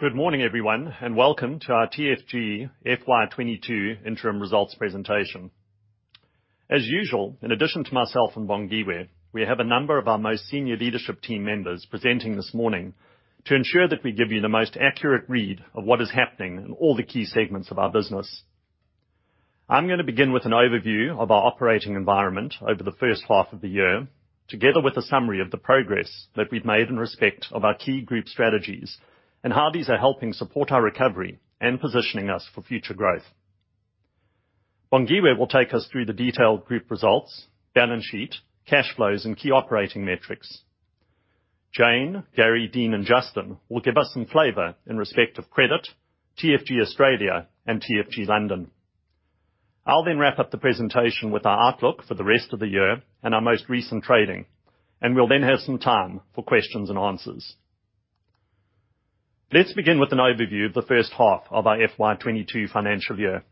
Good morning, everyone, and welcome to our TFG FY 2022 interim results presentation. As usual, in addition to myself and Bongiwe, we have a number of our most senior leadership team members presenting this morning to ensure that we give you the most accurate read of what is happening in all the key segments of our business. I'm gonna begin with an overview of our operating environment over the first half of the year, together with a summary of the progress that we've made in respect of our key group strategies and how these are helping support our recovery and positioning us for future growth. Bongiwe will take us through the detailed group results, balance sheet, cash flows, and key operating metrics. Jane, Gary, Dean, and Justin will give us some flavor in respect of Credit, TFG Australia, and TFG London. I'll then wrap up the presentation with our outlook for the rest of the year and our most recent trading, and we'll then have some time for questions and answers. Let's begin with an overview of the first half of our FY 2022 financial year.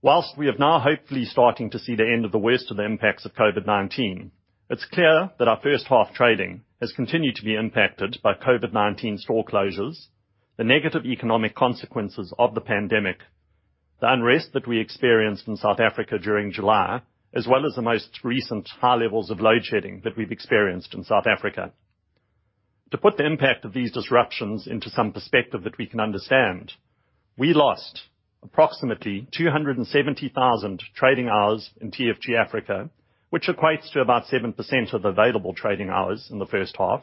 While we have now hopefully starting to see the end of the worst of the impacts of COVID-19, it's clear that our first half trading has continued to be impacted by COVID-19 store closures, the negative economic consequences of the pandemic, the unrest that we experienced in South Africa during July, as well as the most recent high levels of load shedding that we've experienced in South Africa. To put the impact of these disruptions into some perspective that we can understand, we lost approximately 270,000 trading hours in TFG Africa, which equates to about 7% of available trading hours in the first half.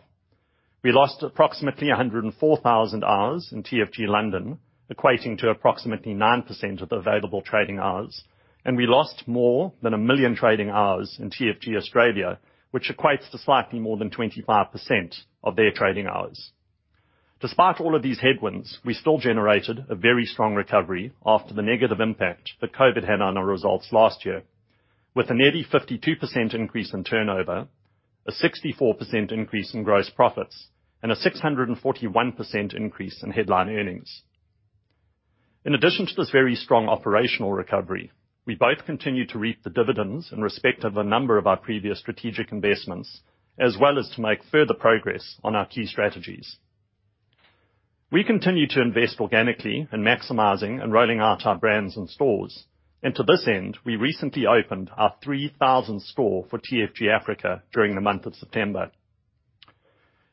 We lost approximately 104,000 hours in TFG London, equating to approximately 9% of the available trading hours, and we lost more than 1 million trading hours in TFG Australia, which equates to slightly more than 25% of their trading hours. Despite all of these headwinds, we still generated a very strong recovery after the negative impact that COVID had on our results last year. With a nearly 52% increase in turnover, a 64% increase in gross profits, and a 641% increase in headline earnings. In addition to this very strong operational recovery, we both continued to reap the dividends in respect of a number of our previous strategic investments, as well as to make further progress on our key strategies. We continue to invest organically in maximizing and rolling out our brands and stores. To this end, we recently opened our 3,000th store for TFG Africa during the month of September.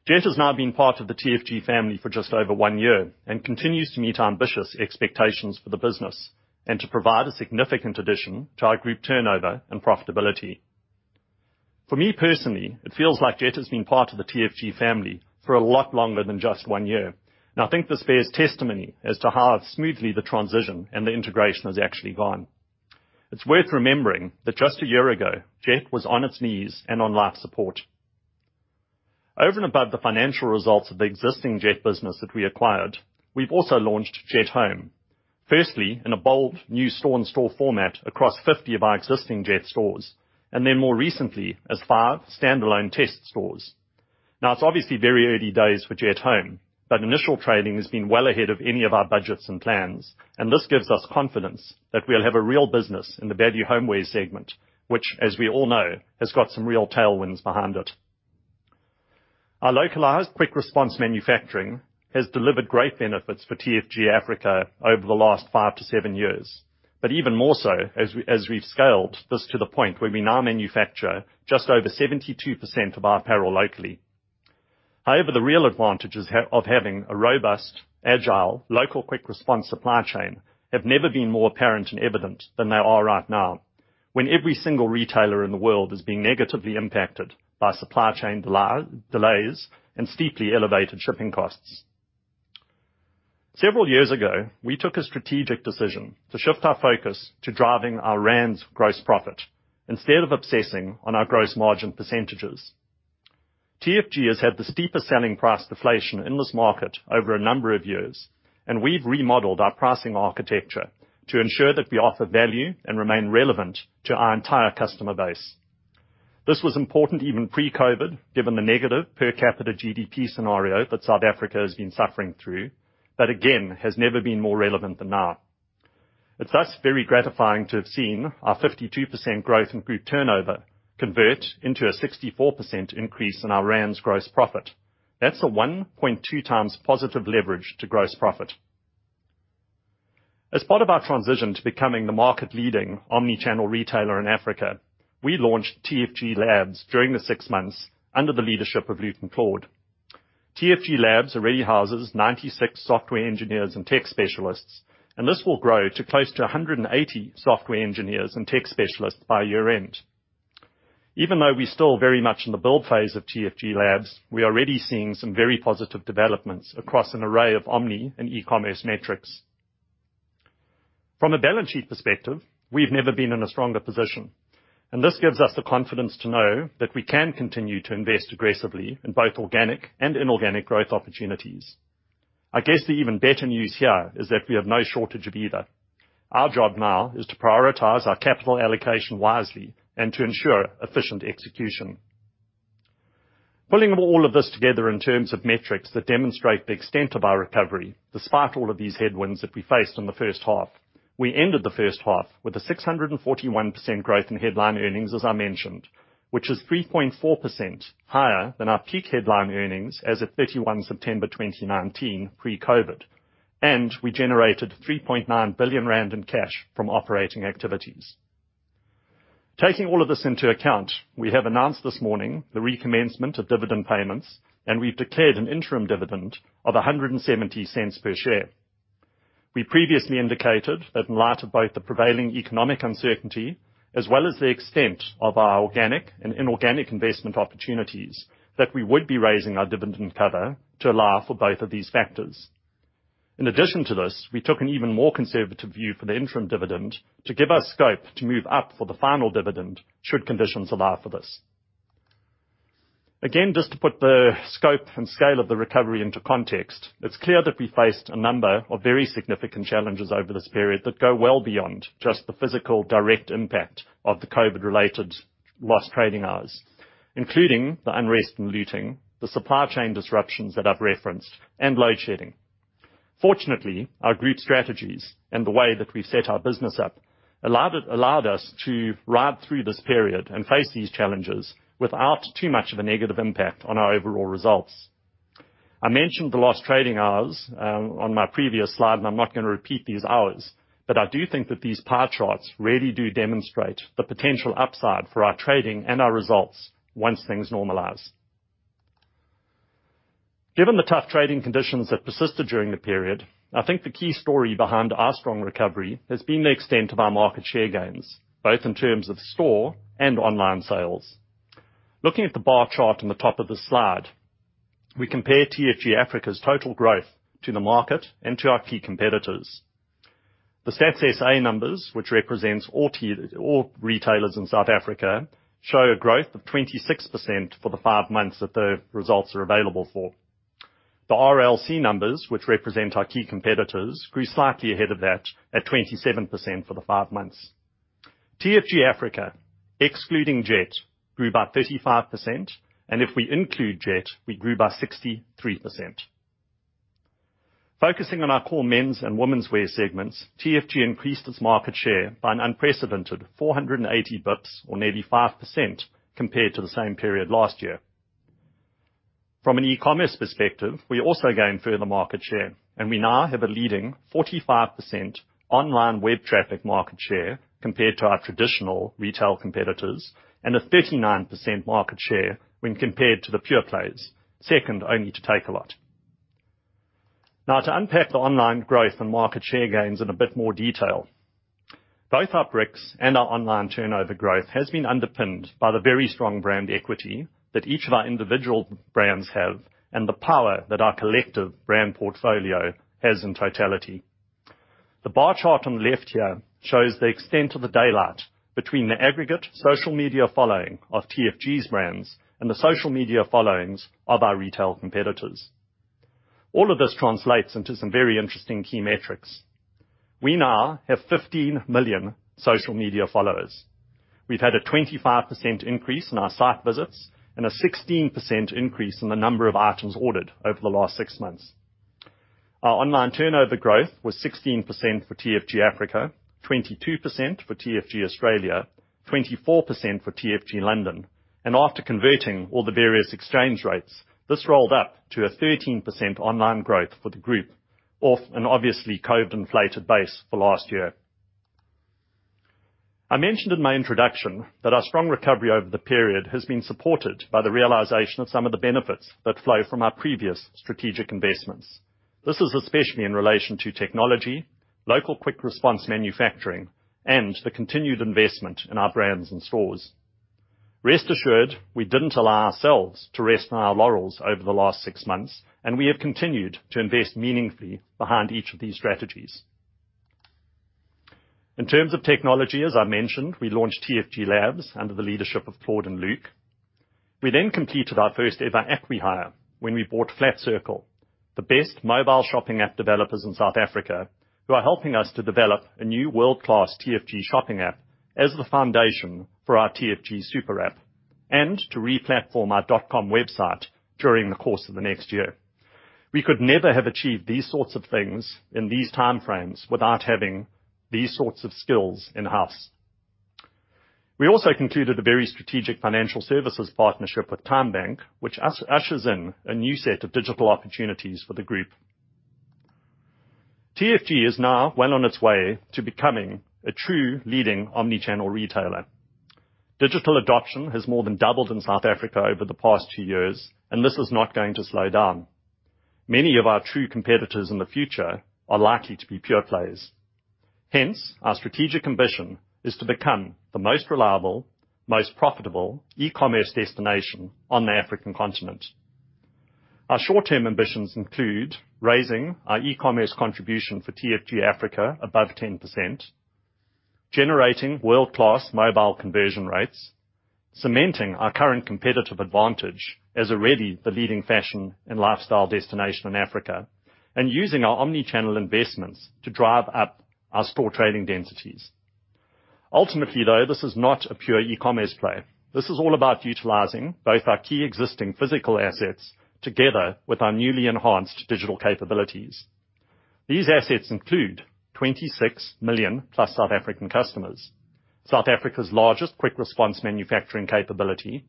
Jet has now been part of the TFG family for just over 1 year and continues to meet our ambitious expectations for the business and to provide a significant addition to our group turnover and profitability. For me personally, it feels like Jet has been part of the TFG family for a lot longer than just 1 year. Now, I think this bears testimony as to how smoothly the transition and the integration has actually gone. It's worth remembering that just a year ago, Jet was on its knees and on life support. Over and above the financial results of the existing Jet business that we acquired, we've also launched Jet Home. Firstly, in a bold new store-in-store format across 50 of our existing Jet stores, and then more recently as 5 standalone test stores. Now, it's obviously very early days for Jet Home, but initial trading has been well ahead of any of our budgets and plans, and this gives us confidence that we'll have a real business in the value homeware segment, which, as we all know, has got some real tailwinds behind it. Our localized quick response manufacturing has delivered great benefits for TFG Africa over the last 5 to 7 years. Even more so, as we've scaled this to the point where we now manufacture just over 72% of our apparel locally. However, the real advantages of having a robust, agile, local quick response supply chain have never been more apparent and evident than they are right now, when every single retailer in the world is being negatively impacted by supply chain delays and steeply elevated shipping costs. Several years ago, we took a strategic decision to shift our focus to driving our Rand's gross profit instead of obsessing on our gross margin percentages. TFG has had the steepest selling price deflation in this market over a number of years, and we've remodeled our pricing architecture to ensure that we offer value and remain relevant to our entire customer base. This was important even pre-COVID, given the negative per capita GDP scenario that South Africa has been suffering through, but again has never been more relevant than now. It's thus very gratifying to have seen our 52% growth in group turnover convert into a 64% increase in our Rand's gross profit. That's a 1.2 times positive leverage to gross profit. As part of our transition to becoming the market leading omnichannel retailer in Africa, we launched TFG Labs during the six months under the leadership of Luke and Claude. TFG Labs already houses 96 software engineers and tech specialists, and this will grow to close to 180 software engineers and tech specialists by year-end. Even though we're still very much in the build phase of TFG Labs, we are already seeing some very positive developments across an array of omni and e-commerce metrics. From a balance sheet perspective, we've never been in a stronger position, and this gives us the confidence to know that we can continue to invest aggressively in both organic and inorganic growth opportunities. I guess the even better news here is that we have no shortage of either. Our job now is to prioritize our capital allocation wisely and to ensure efficient execution. Pulling all of this together in terms of metrics that demonstrate the extent of our recovery, despite all of these headwinds that we faced in the first half. We ended the first half with a 641% growth in headline earnings, as I mentioned, which is 3.4% higher than our peak headline earnings as at 31 September 2019 pre-COVID, and we generated 3.9 billion rand in cash from operating activities. Taking all of this into account, we have announced this morning the recommencement of dividend payments, and we've declared an interim dividend of 1.70 per share. We previously indicated that in light of both the prevailing economic uncertainty, as well as the extent of our organic and inorganic investment opportunities, that we would be raising our dividend cover to allow for both of these factors. In addition to this, we took an even more conservative view for the interim dividend to give us scope to move up for the final dividend should conditions allow for this. Again, just to put the scope and scale of the recovery into context, it's clear that we faced a number of very significant challenges over this period that go well beyond just the physical direct impact of the COVID related lost trading hours, including the unrest and looting, the supply chain disruptions that I've referenced, and load shedding. Fortunately, our group strategies and the way that we set our business up allowed us to ride through this period and face these challenges without too much of a negative impact on our overall results. I mentioned the lost trading hours on my previous slide, and I'm not gonna repeat these hours, but I do think that these pie charts really do demonstrate the potential upside for our trading and our results once things normalize. Given the tough trading conditions that persisted during the period, I think the key story behind our strong recovery has been the extent of our market share gains, both in terms of store and online sales. Looking at the bar chart on the top of the slide, we compare TFG Africa's total growth to the market and to our key competitors. The Stats SA numbers, which represents all retailers in South Africa, show a growth of 26% for the five months that the results are available for. The RLC numbers, which represent our key competitors, grew slightly ahead of that at 27% for the five months. TFG Africa, excluding Jet, grew by 35%, and if we include Jet, we grew by 63%. Focusing on our core men's and women's wear segments, TFG increased its market share by an unprecedented 480 bips or nearly 5% compared to the same period last year. From an e-commerce perspective, we're also gaining further market share, and we now have a leading 45% online web traffic market share compared to our traditional retail competitors, and a 39% market share when compared to the pure plays, second only to Takealot. Now to unpack the online growth and market share gains in a bit more detail. Both our bricks and our online turnover growth has been underpinned by the very strong brand equity that each of our individual brands have and the power that our collective brand portfolio has in totality. The bar chart on the left here shows the extent of the daylight between the aggregate social media following of TFG's brands and the social media followings of our retail competitors. All of this translates into some very interesting key metrics. We now have 15 million social media followers. We've had a 25% increase in our site visits and a 16% increase in the number of items ordered over the last six months. Our online turnover growth was 16% for TFG Africa, 22% for TFG Australia, 24% for TFG London, and after converting all the various exchange rates, this rolled up to a 13% online growth for the group of an obviously COVID-inflated base for last year. I mentioned in my introduction that our strong recovery over the period has been supported by the realization of some of the benefits that flow from our previous strategic investments. This is especially in relation to technology, local quick response manufacturing, and the continued investment in our brands and stores. Rest assured, we didn't allow ourselves to rest on our laurels over the last six months, and we have continued to invest meaningfully behind each of these strategies. In terms of technology, as I mentioned, we launched TFG Labs under the leadership of Claude and Luke. We completed our first ever acqui-hire when we bought Flat Circle, the best mobile shopping app developers in South Africa, who are helping us to develop a new world-class TFG shopping app as the foundation for our TFG Super App and to re-platform our dot-com website during the course of the next year. We could never have achieved these sorts of things in these time frames without having these sorts of skills in-house. We also concluded a very strategic financial services partnership with TymeBank, which ushers in a new set of digital opportunities for the group. TFG is now well on its way to becoming a true leading omnichannel retailer. Digital adoption has more than doubled in South Africa over the past two years, and this is not going to slow down. Many of our true competitors in the future are likely to be pure plays. Hence, our strategic ambition is to become the most reliable, most profitable e-commerce destination on the African continent. Our short-term ambitions include raising our e-commerce contribution for TFG Africa above 10%, generating world-class mobile conversion rates, cementing our current competitive advantage as already the leading fashion and lifestyle destination in Africa, and using our omnichannel investments to drive up our store trading densities. Ultimately, though, this is not a pure e-commerce play. This is all about utilizing both our key existing physical assets together with our newly enhanced digital capabilities. These assets include 26 million+ South African customers, South Africa's largest quick response manufacturing capability,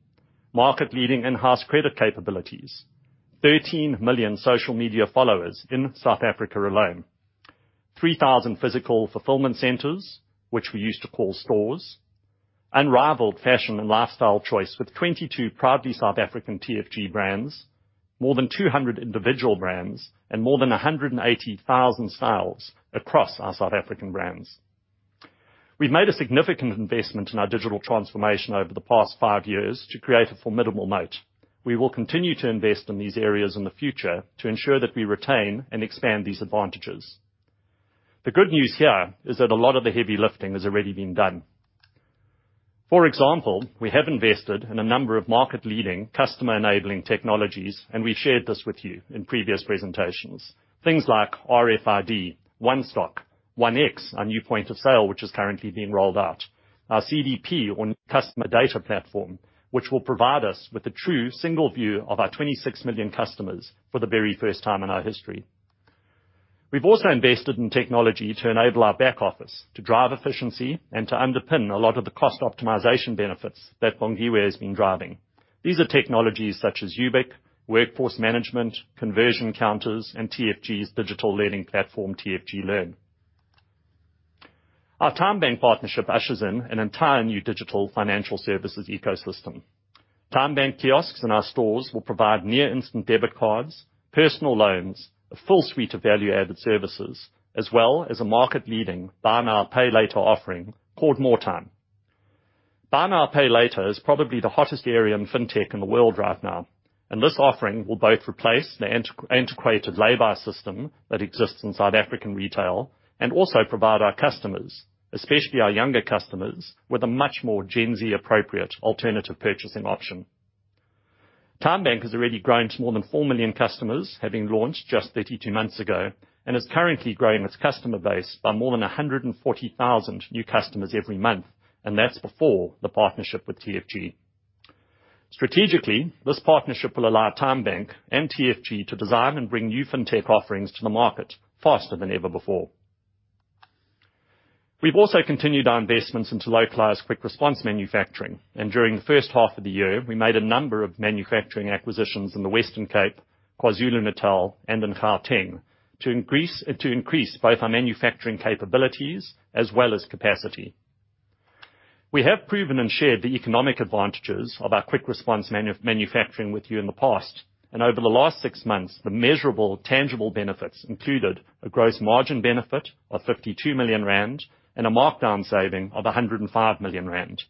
market-leading in-house credit capabilities, 13 million social media followers in South Africa alone, 3,000 physical fulfillment centers, which we used to call stores, unrivaled fashion and lifestyle choice with 22 proudly South African TFG brands, more than 200 individual brands, and more than 180,000 sales across our South African brands. We've made a significant investment in our digital transformation over the past 5 years to create a formidable moat. We will continue to invest in these areas in the future to ensure that we retain and expand these advantages. The good news here is that a lot of the heavy lifting has already been done. For example, we have invested in a number of market-leading customer enabling technologies, and we shared this with you in previous presentations. Things like RFID, OneStock, One X, our new point of sale, which is currently being rolled out. Our CDP or Customer Data Platform, which will provide us with a true single view of our 26 million customers for the very first time in our history. We've also invested in technology to enable our back office to drive efficiency and to underpin a lot of the cost optimization benefits that Bongiwe has been driving. These are technologies such as Ubiquity, workforce management, conversion counters, and TFG's digital learning platform, TFG Learn. Our TymeBank partnership ushers in an entire new digital financial services ecosystem. TymeBank kiosks in our stores will provide near instant debit cards, personal loans, a full suite of value-added services, as well as a market-leading buy now, pay later offering called MoreTyme. Buy now, pay later is probably the hottest area in fintech in the world right now, and this offering will both replace the antiquated lay-by system that exists in South African retail and also provide our customers, especially our younger customers, with a much more Gen Z appropriate alternative purchasing option. TymeBank has already grown to more than 4 million customers, having launched just 32 months ago, and is currently growing its customer base by more than 140,000 new customers every month, and that's before the partnership with TFG. Strategically, this partnership will allow TymeBank and TFG to design and bring new fintech offerings to the market faster than ever before. We've also continued our investments into localized quick response manufacturing, and during the first half of the year, we made a number of manufacturing acquisitions in the Western Cape, KwaZulu-Natal, and in Gauteng to increase both our manufacturing capabilities as well as capacity. We have proven and shared the economic advantages of our quick response manufacturing with you in the past. Over the last six months, the measurable, tangible benefits included a gross margin benefit of 52 million rand and a markdown saving of 105 million rand.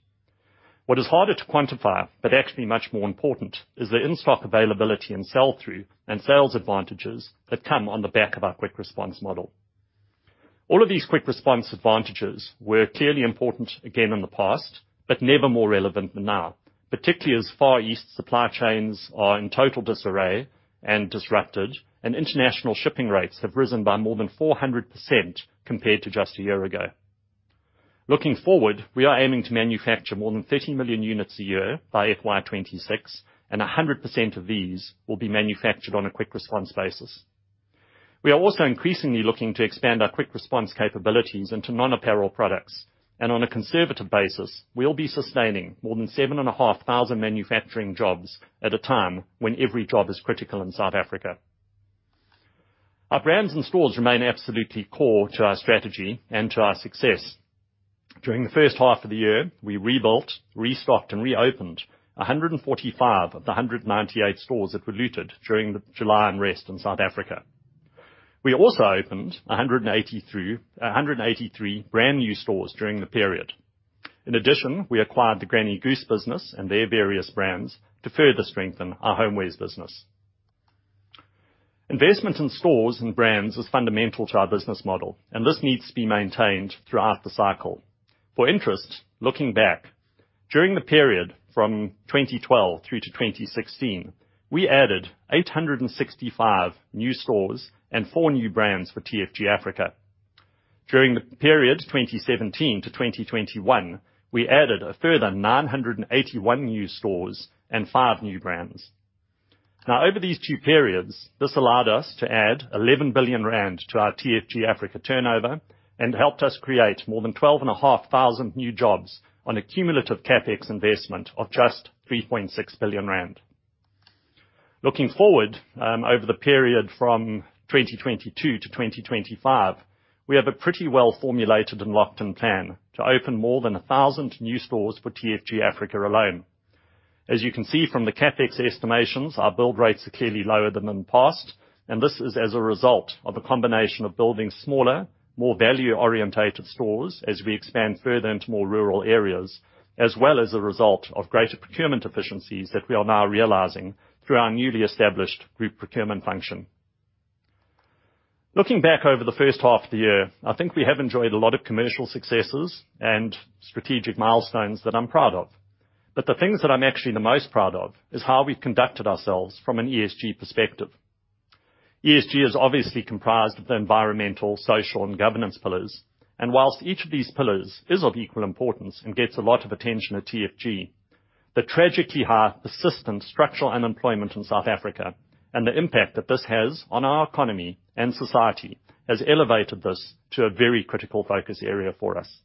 What is harder to quantify, but actually much more important, is the in-stock availability and sell-through and sales advantages that come on the back of our quick response model. All of these quick response advantages were clearly important again in the past, but never more relevant than now, particularly as Far East supply chains are in total disarray and disrupted, and international shipping rates have risen by more than 400% compared to just a year ago. Looking forward, we are aiming to manufacture more than 30 million units a year by FY 2026, and 100% of these will be manufactured on a quick response basis. We are also increasingly looking to expand our quick response capabilities into non-apparel products. On a conservative basis, we'll be sustaining more than 7,500 manufacturing jobs at a time when every job is critical in South Africa. Our brands and stores remain absolutely core to our strategy and to our success. During the first half of the year, we rebuilt, restocked, and reopened 145 of the 198 stores that were looted during the July unrest in South Africa. We also opened 183 brand new stores during the period. In addition, we acquired the Granny Goose business and their various brands to further strengthen our Homewares business. Investment in stores and brands is fundamental to our business model, and this needs to be maintained throughout the cycle. For interest, looking back, during the period from 2012 through to 2016, we added 865 new stores and four new brands for TFG Africa. During the period 2017 to 2021, we added a further 981 new stores and five new brands. Now, over these two periods, this allowed us to add 11 billion rand to our TFG Africa turnover and helped us create more than 12,500 new jobs on a cumulative CapEx investment of just 3.6 billion rand. Looking forward, over the period from 2022 to 2025, we have a pretty well formulated and locked-in plan to open more than 1,000 new stores for TFG Africa alone. As you can see from the CapEx estimations, our build rates are clearly lower than in the past, and this is as a result of a combination of building smaller, more value-oriented stores as we expand further into more rural areas, as well as a result of greater procurement efficiencies that we are now realizing through our newly established group procurement function. Looking back over the first half of the year, I think we have enjoyed a lot of commercial successes and strategic milestones that I'm proud of. The things that I'm actually the most proud of is how we've conducted ourselves from an ESG perspective. ESG is obviously comprised of the environmental, social and governance pillars. While each of these pillars is of equal importance and gets a lot of attention at TFG, the tragically high persistent structural unemployment in South Africa and the impact that this has on our economy and society has elevated this to a very critical focus area for us.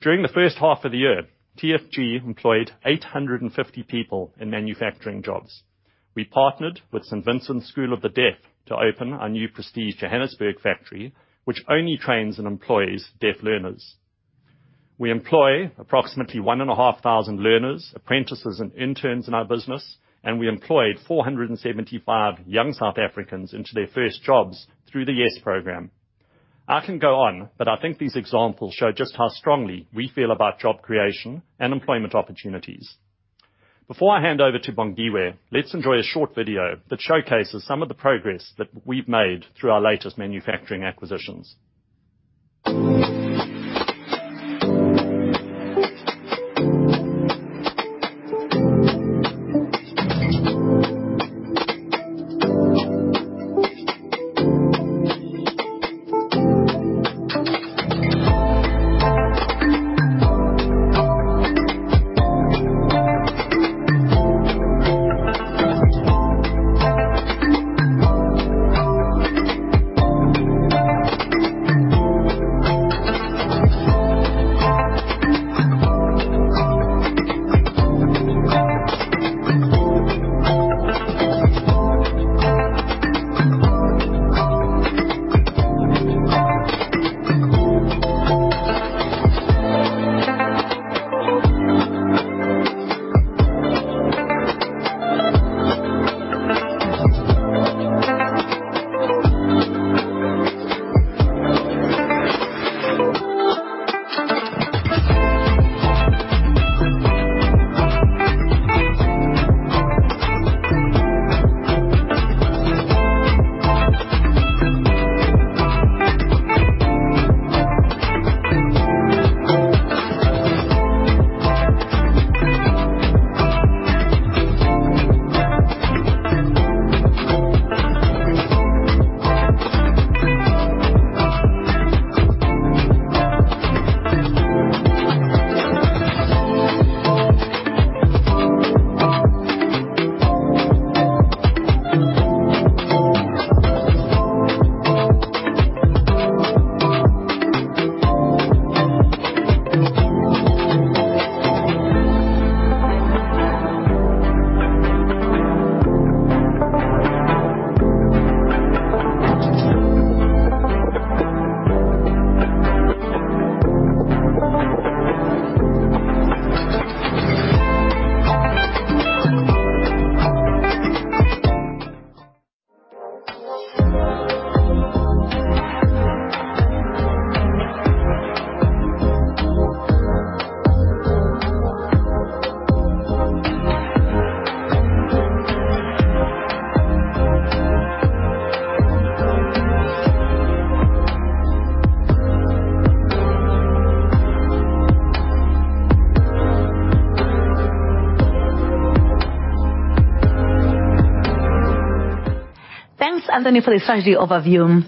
During the first half of the year, TFG employed 850 people in manufacturing jobs. We partnered with St Vincent School of the Deaf to open our new Prestige Johannesburg factory, which only trains and employs deaf learners. We employ approximately 1,500 learners, apprentices and interns in our business, and we employed 475 young South Africans into their first jobs through the YES program. I can go on, but I think these examples show just how strongly we feel about job creation and employment opportunities. Before I hand over to Bongiwe, let's enjoy a short video that showcases some of the progress that we've made through our latest manufacturing acquisitions. Thanks, Anthony, for the strategy overview.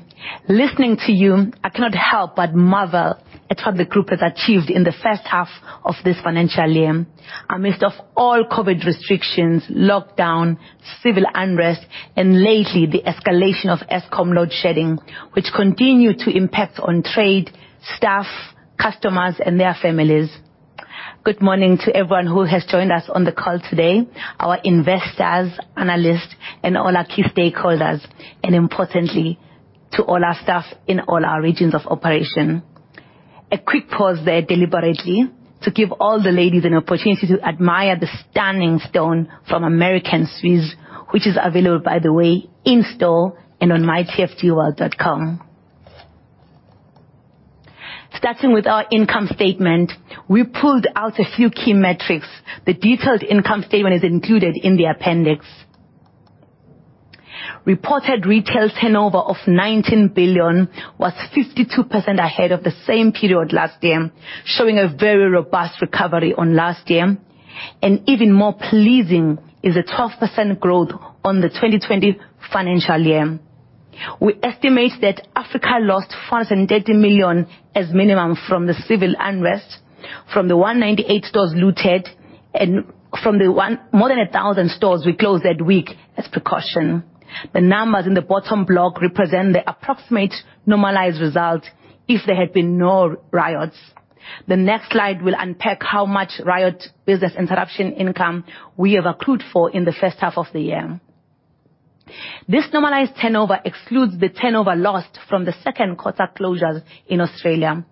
Listening to you, I cannot help but marvel at what the group has achieved in the first half of this financial year amidst of all COVID restrictions, lockdown, civil unrest, and lately the escalation of Eskom load shedding, which continue to impact on trade, staff, customers and their families. Good morning to everyone who has joined us on the call today, our investors, analysts and all our key stakeholders, and importantly to all our staff in all our regions of operation. A quick pause there deliberately to give all the ladies an opportunity to admire the stunning stone from American Swiss, which is available, by the way, in store and on mytfgworld.com. Starting with our income statement, we pulled out a few key metrics. The detailed income statement is included in the appendix. Reported retail turnover of 19 billion was 52% ahead of the same period last year, showing a very robust recovery on last year. Even more pleasing is the 12% growth on the 2020 financial year. We estimate that Africa lost 430 million as minimum from the civil unrest, from the 198 stores looted, and from the more than 1,000 stores we closed that week as precaution. The numbers in the bottom block represent the approximate normalized result if there had been no riots. The next slide will unpack how much riot business interruption income we have accrued for in the first half of the year. This normalized turnover excludes the turnover lost from the second quarter closures in Australia,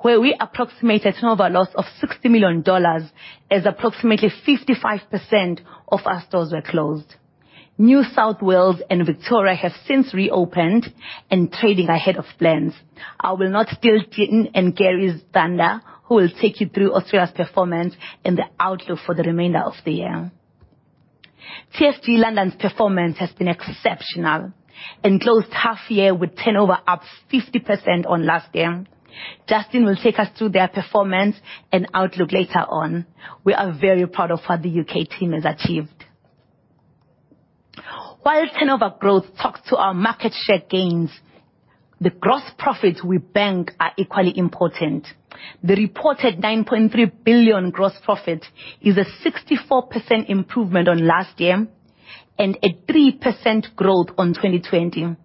where we approximate a turnover loss of 60 million dollars as approximately 55% of our stores were closed. New South Wales and Victoria have since reopened and trading ahead of plans. I will not steal Justin and Gary's thunder, who will take you through Australia's performance and the outlook for the remainder of the year. TFG London's performance has been exceptional and closed half year with turnover up 50% on last year. Justin will take us through their performance and outlook later on. We are very proud of what the U.K. team has achieved. While turnover growth talks to our market share gains, the gross profits we bank are equally important. The reported 9.3 billion gross profit is a 64% improvement on last year and a 3% growth on 2020.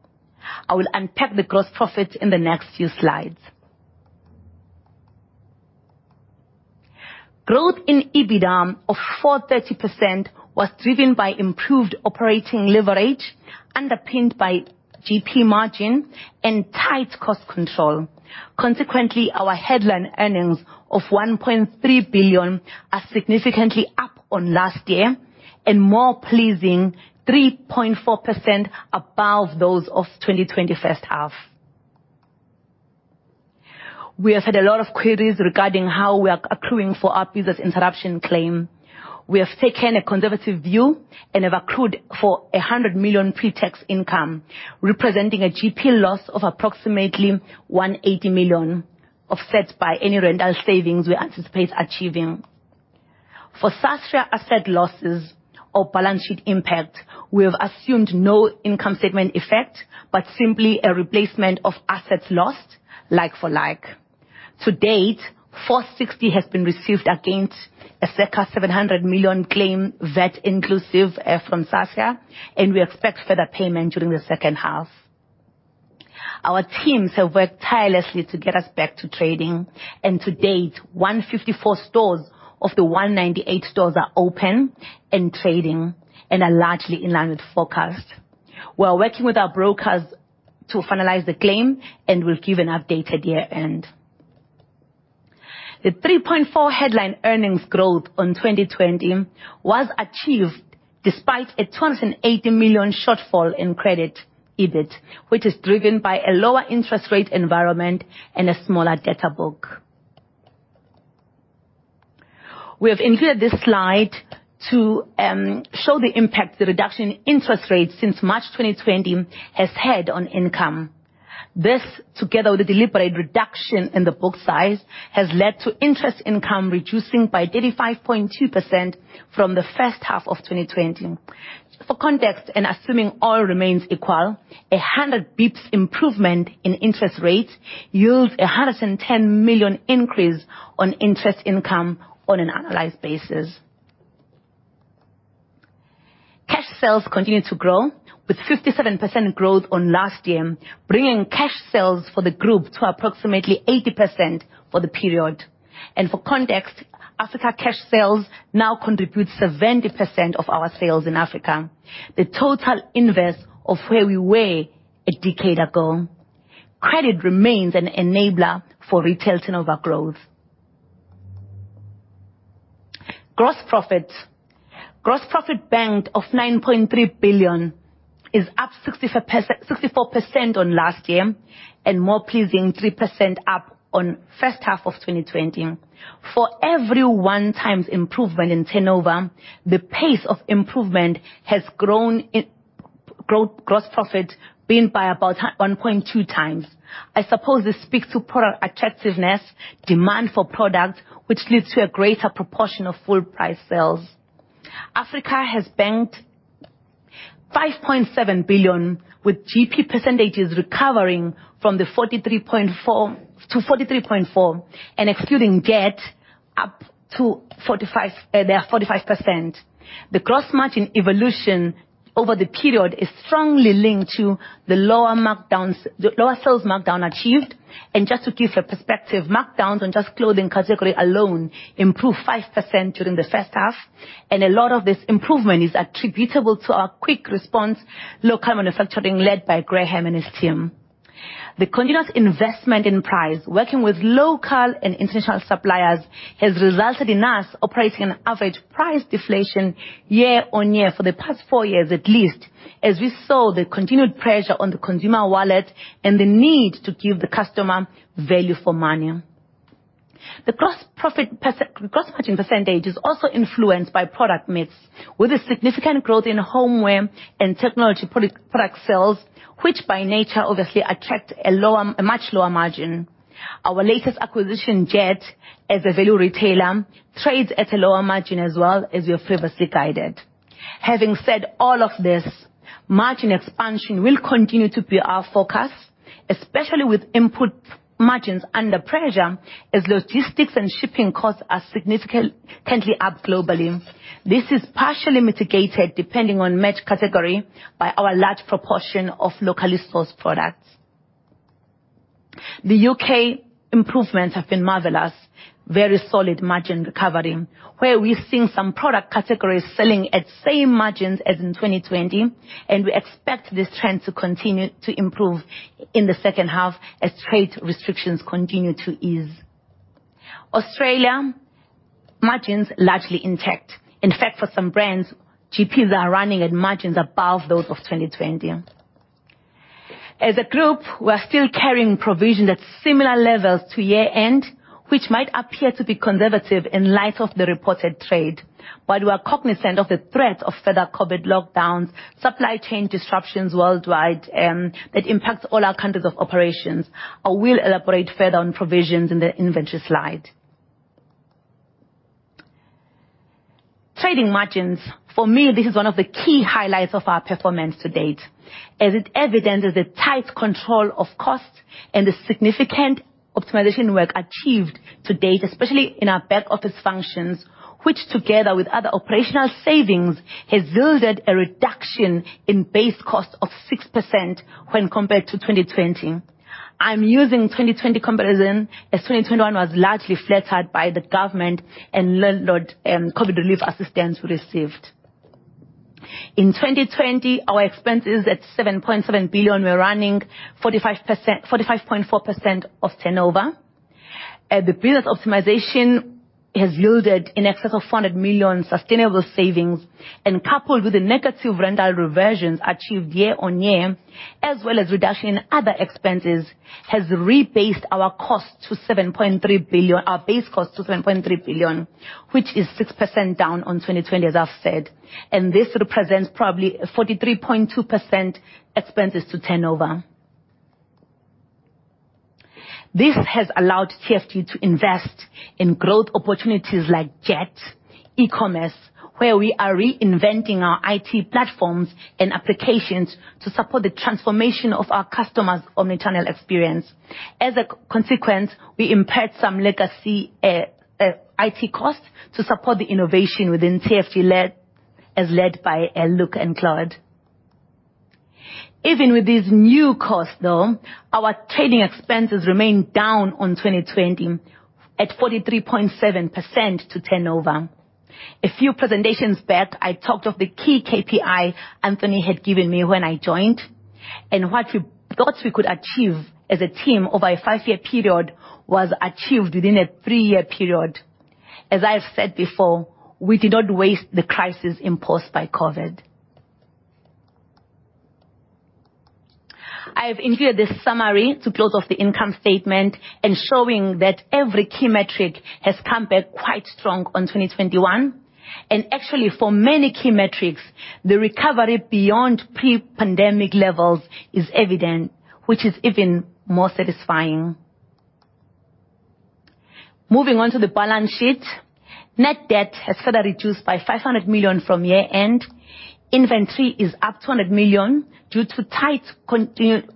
I will unpack the gross profits in the next few slides. Growth in EBITDA of 430% was driven by improved operating leverage, underpinned by GP margin and tight cost control. Consequently, our headline earnings of 1.3 billion are significantly up on last year and more pleasing, 3.4% above those of 2020 first half. We have had a lot of queries regarding how we are accruing for our business interruption claim. We have taken a conservative view and have accrued for 100 million pre-tax income, representing a GP loss of approximately 180 million, offset by any rental savings we anticipate achieving. For Sasria asset losses or balance sheet impact, we have assumed no income statement effect, but simply a replacement of assets lost like for like. To date, 460 has been received against a circa 700 million claim, VAT inclusive, from Sasria, and we expect further payment during the second half. Our teams have worked tirelessly to get us back to trading, and to date, 154 stores of the 198 stores are open and trading and are largely in line with forecast. We are working with our brokers to finalize the claim, and we'll give an update at year-end. The 3.4 headline earnings growth on 2020 was achieved despite a 280 million shortfall in credit EBIT, which is driven by a lower interest rate environment and a smaller debtor book. We have included this slide to show the impact the reduction in interest rates since March 2020 has had on income. This, together with a deliberate reduction in the book size, has led to interest income reducing by 35.2% from the first half of 2020. For context, and assuming all remains equal, 100 basis points improvement in interest rates yields a 110 million increase on interest income on an annualized basis. Cash sales continue to grow with 57% growth on last year, bringing cash sales for the group to approximately 80% for the period. For context, Africa cash sales now contribute 70% of our sales in Africa, the total inverse of where we were a decade ago. Credit remains an enabler for retail turnover growth. Gross profit. Gross profit banked of 9.3 billion is up 64% on last year and more pleasing, 3% up on first half of 2020. For every 1x improvement in turnover, the pace of improvement has grown in gross profit by about 1.2x. I suppose this speaks to product attractiveness, demand for product, which leads to a greater proportion of full price sales. Africa has banked 5.7 billion with GP percentages recovering from the 43.4% to 44.3%, and excluding Jet up to 45%, their 45%. The gross margin evolution over the period is strongly linked to the lower markdowns, the lower sales markdown achieved. Just to give a perspective, markdowns on just clothing category alone improved 5% during the first half, and a lot of this improvement is attributable to our quick response local manufacturing led by Graham and his team. The continuous investment in price, working with local and international suppliers, has resulted in us operating an average price deflation year-over-year for the past four years at least, as we saw the continued pressure on the consumer wallet and the need to give the customer value for money. The gross margin percentage is also influenced by product mix, with a significant growth in homeware and technology product sales, which by nature obviously attract a lower, a much lower margin. Our latest acquisition, Jet, as a value retailer, trades at a lower margin as well as we have previously guided. Having said all of this, margin expansion will continue to be our focus, especially with input margins under pressure as logistics and shipping costs are significantly up globally. This is partially mitigated depending on merch category by our large proportion of locally sourced products. The U.K. improvements have been marvelous, very solid margin recovery, where we're seeing some product categories selling at same margins as in 2020, and we expect this trend to continue to improve in the second half as trade restrictions continue to ease. Australia margins largely intact. In fact, for some brands, GPs are running at margins above those of 2020. As a group, we're still carrying provisions at similar levels to year-end, which might appear to be conservative in light of the reported trade. We are cognizant of the threat of further COVID-19 lockdowns, supply chain disruptions worldwide, that impacts all our countries of operations. I will elaborate further on provisions in the inventory slide. Trading margins. For me, this is one of the key highlights of our performance to date, as it evidences a tight control of costs and the significant optimization work achieved to date, especially in our back office functions, which together with other operational savings, has yielded a reduction in base cost of 6% when compared to 2020. I'm using 2020 comparison as 2021 was largely flattered by the government and landlord, COVID-19 relief assistance we received. In 2020, our expenses at 7.7 billion were running 45.4% of turnover. The business optimization has yielded in excess of 400 million sustainable savings, and coupled with the negative rental reversions achieved year-on-year, as well as reduction in other expenses, has rebased our base cost to 7.3 billion, which is 6% down on 2020, as I've said. This represents probably 43.2% expenses to turnover. This has allowed TFG to invest in growth opportunities like Jet, e-commerce, where we are reinventing our IT platforms and applications to support the transformation of our customers' omnichannel experience. As a consequence, we impaired some legacy IT costs to support the innovation within TFG as led by Luke and Claude. Even with these new costs, though, our trading expenses remain down on 2020 at 43.7% to turnover. A few presentations back, I talked of the key KPI Anthony had given me when I joined, and what we thought we could achieve as a team over a five-year period was achieved within a three-year period. As I've said before, we did not waste the crisis imposed by COVID. I've included this summary to close off the income statement and showing that every key metric has come back quite strong on 2021. Actually, for many key metrics, the recovery beyond pre-pandemic levels is evident, which is even more satisfying. Moving on to the balance sheet. Net debt has further reduced by 500 million from year-end. Inventory is up 200 million due to tight continued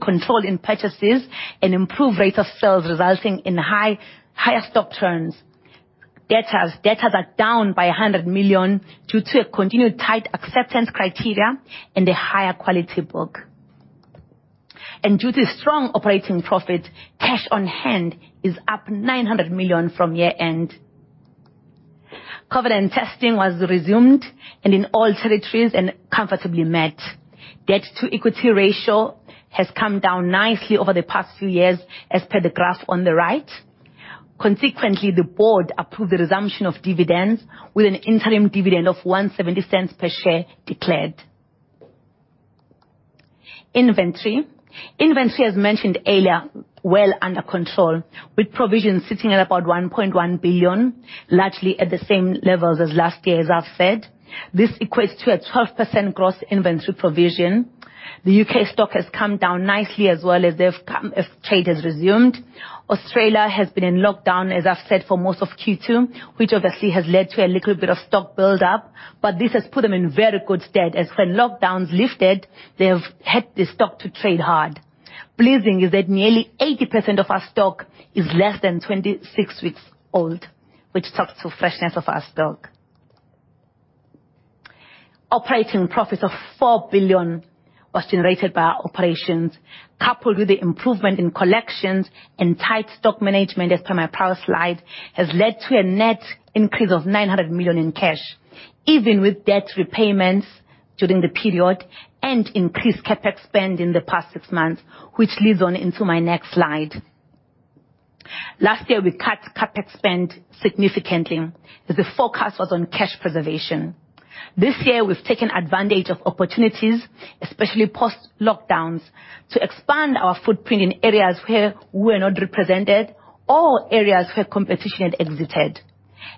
control in purchases and improved rate of sales resulting in higher stock turns. Debtors. Debtors are down by 100 million due to a continued tight acceptance criteria and a higher quality book. Due to strong operating profit, cash on hand is up 900 million from year-end. Covenant testing was resumed in all territories, and comfortably met. Debt-to-equity ratio has come down nicely over the past few years, as per the graph on the right. Consequently, the board approved the resumption of dividends with an interim dividend of 1.70 per share declared. Inventory, as mentioned earlier, well under control, with provisions sitting at about 1.1 billion, largely at the same levels as last year, as I've said. This equates to a 12% gross inventory provision. The U.K. stock has come down nicely as well as they've come as trade has resumed. Australia has been in lockdown, as I've said, for most of Q2, which obviously has led to a little bit of stock build-up, but this has put them in very good stead. As the lockdown's lifted, they've had the stock to trade hard. Pleasing is that nearly 80% of our stock is less than 26 weeks old, which talks to freshness of our stock. Operating profits of 4 billion was generated by our operations, coupled with the improvement in collections and tight stock management, as per my prior slide, has led to a net increase of 900 million in cash, even with debt repayments during the period and increased CapEx spend in the past 6 months, which leads on into my next slide. Last year, we cut CapEx spend significantly, as the focus was on cash preservation. This year, we've taken advantage of opportunities, especially post-lockdowns, to expand our footprint in areas where we're not represented or areas where competition had exited.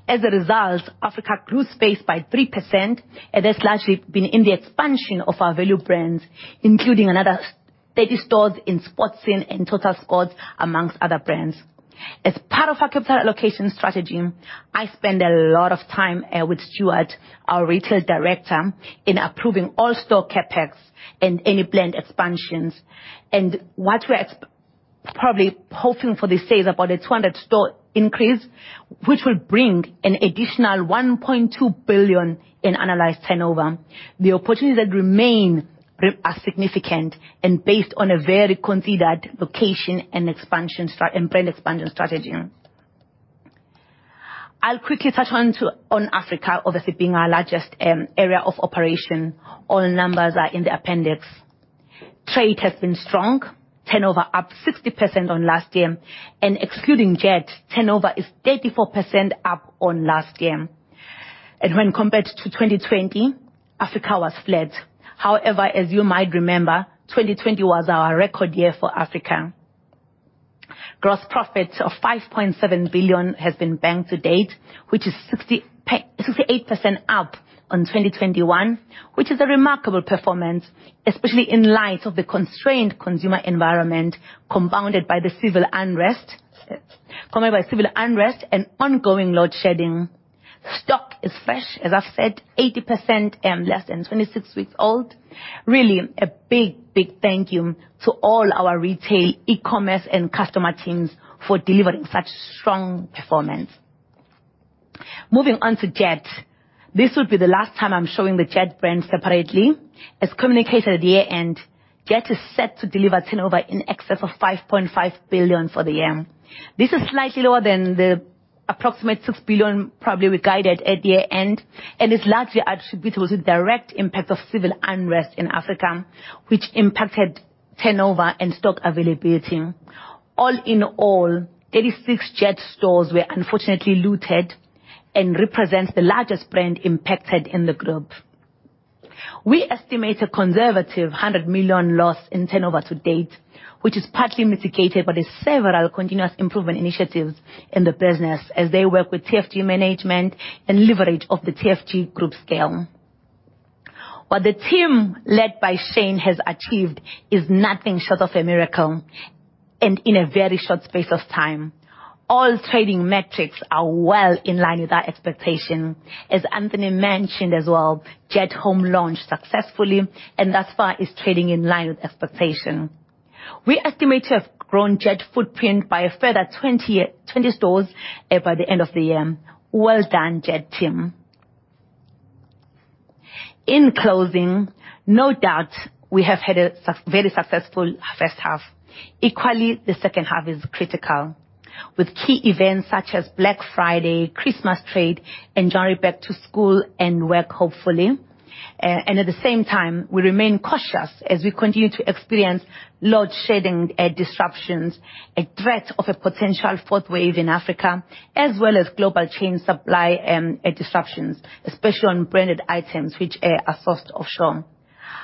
As a result, Africa grew space by 3%, and that's largely been in the expansion of our value brands, including another 30 stores in Sportscene and Totalsports, among other brands. As part of our capital allocation strategy, I spend a lot of time with Stuart, our Retail Director, in approving all store CapEx and any brand expansions. What we're probably hoping for this year is about a 200-store increase, which will bring an additional 1.2 billion in annualised turnover. The opportunities that remain are significant and based on a very considered location and expansion and brand expansion strategy. I'll quickly touch on Africa, obviously being our largest area of operation. All numbers are in the appendix. Trade has been strong. Turnover up 60% on last year. Excluding Jet, turnover is 34% up on last year. When compared to 2020, Africa was flat. However, as you might remember, 2020 was our record year for Africa. Gross profit of 5.7 billion has been banked to date, which is 68% up on 2021, which is a remarkable performance, especially in light of the constrained consumer environment, compounded by civil unrest and ongoing load shedding. Stock is fresh, as I said, 80% and less than 26 weeks old. Really a big, big thank you to all our retail, e-commerce and customer teams for delivering such strong performance. Moving on to Jet. This will be the last time I'm showing the Jet brand separately. As communicated at the year-end, Jet is set to deliver turnover in excess of 5.5 billion for the year. This is slightly lower than the approximate 6 billion probably we guided at year-end, and is largely attributable to direct impact of civil unrest in Africa, which impacted turnover and stock availability. All in all, 36 Jet stores were unfortunately looted and represents the largest brand impacted in the group. We estimate a conservative 100 million loss in turnover to date, which is partly mitigated by the several continuous improvement initiatives in the business as they work with TFG management and leverage of the TFG group scale. What the team led by Shane has achieved is nothing short of a miracle, and in a very short space of time. All trading metrics are well in line with our expectation. As Anthony mentioned as well, Jet Home launched successfully and thus far is trading in line with expectation. We estimate to have grown Jet footprint by a further 20 stores by the end of the year. Well done, Jet team. In closing, no doubt we have had a very successful first half. Equally, the second half is critical, with key events such as Black Friday, Christmas trade and January back to school and work, hopefully. At the same time, we remain cautious as we continue to experience load shedding and disruptions, a threat of a potential fourth wave in Africa, as well as global supply chain disruptions, especially on branded items which are sourced offshore.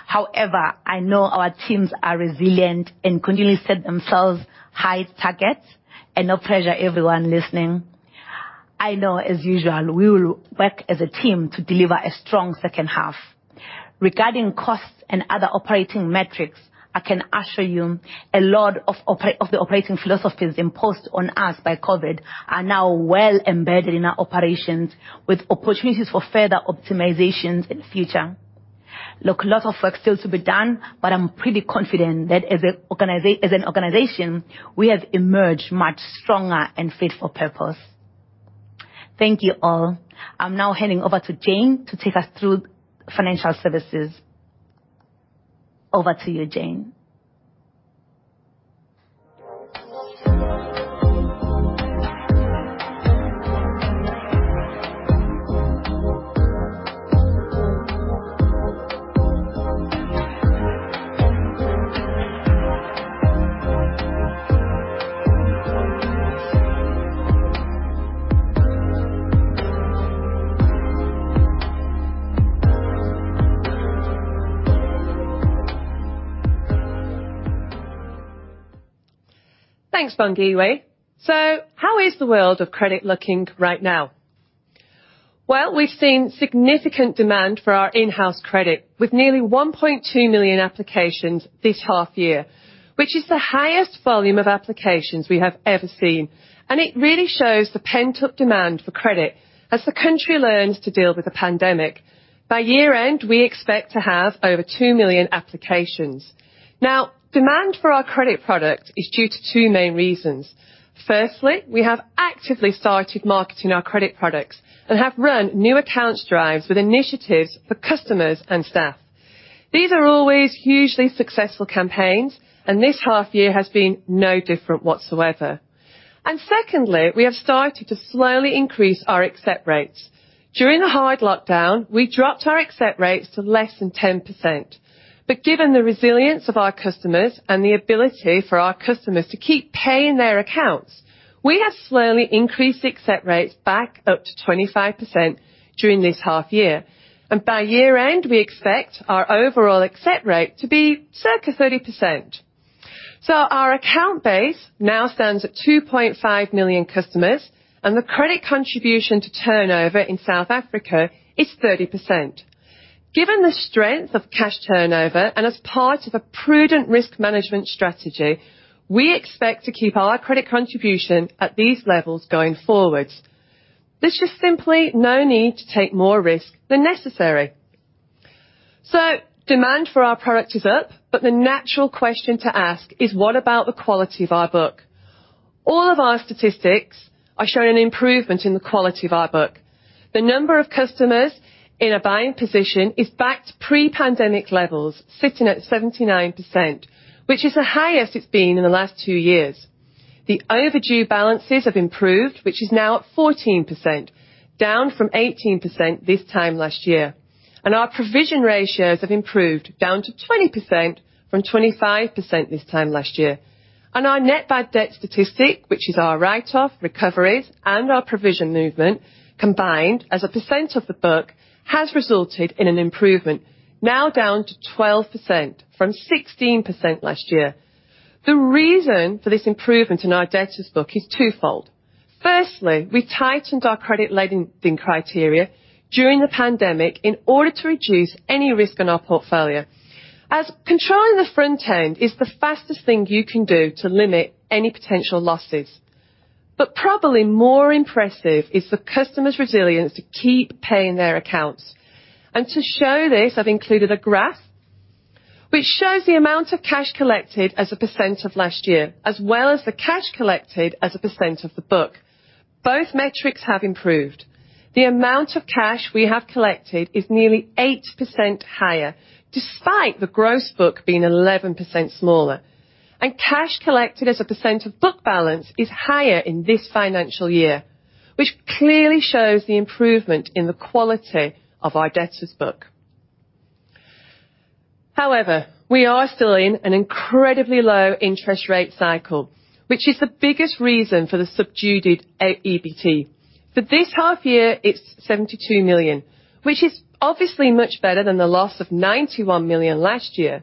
However, I know our teams are resilient and continually set themselves high targets and no pressure everyone listening. I know, as usual, we will work as a team to deliver a strong second half. Regarding costs and other operating metrics, I can assure you a lot of the operating philosophies imposed on us by COVID are now well embedded in our operations with opportunities for further optimizations in the future. Look, a lot of work still to be done, but I'm pretty confident that as an organization, we have emerged much stronger and fit for purpose. Thank you all. I'm now handing over to Jane to take us through financial services. Over to you, Jane. Thanks, Bongiwe. So how is the world of credit looking right now? Well, we've seen significant demand for our in-house credit with nearly 1.2 million applications this half year, which is the highest volume of applications we have ever seen. It really shows the pent-up demand for credit as the country learns to deal with the pandemic. By year-end, we expect to have over 2 million applications. Now, demand for our credit product is due to two main reasons. Firstly, we have actively started marketing our credit products and have run new accounts drives with initiatives for customers and staff. These are always hugely successful campaigns, and this half year has been no different whatsoever. Secondly, we have started to slowly increase our accept rates. During the hard lockdown, we dropped our accept rates to less than 10%. Given the resilience of our customers and the ability for our customers to keep paying their accounts, we have slowly increased accept rates back up to 25% during this half year. By year-end, we expect our overall accept rate to be circa 30%. Our account base now stands at 2.5 million customers, and the credit contribution to turnover in South Africa is 30%. Given the strength of cash turnover and as part of a prudent risk management strategy, we expect to keep our credit contribution at these levels going forward. There's just simply no need to take more risk than necessary. Demand for our product is up, but the natural question to ask is, what about the quality of our book? All of our statistics are showing an improvement in the quality of our book. The number of customers in a buying position is back to pre-pandemic levels, sitting at 79%, which is the highest it's been in the last 2 years. The overdue balances have improved, which is now at 14%, down from 18% this time last year. Our provision ratios have improved down to 20% from 25% this time last year. Our net bad debt statistic, which is our write-off, recoveries, and our provision movement combined as a percent of the book, has resulted in an improvement, now down to 12% from 16% last year. The reason for this improvement in our debtors book is twofold. Firstly, we tightened our credit lending criteria during the pandemic in order to reduce any risk in our portfolio. As controlling the front end is the fastest thing you can do to limit any potential losses. Probably more impressive is the customers' resilience to keep paying their accounts. To show this, I've included a graph which shows the amount of cash collected as a percent of last year, as well as the cash collected as a percent of the book. Both metrics have improved. The amount of cash we have collected is nearly 8% higher, despite the gross book being 11% smaller. Cash collected as a percent of book balance is higher in this financial year, which clearly shows the improvement in the quality of our debtors book. However, we are still in an incredibly low interest rate cycle, which is the biggest reason for the subdued EBT. For this half year, it's 72 million, which is obviously much better than the loss of 91 million last year,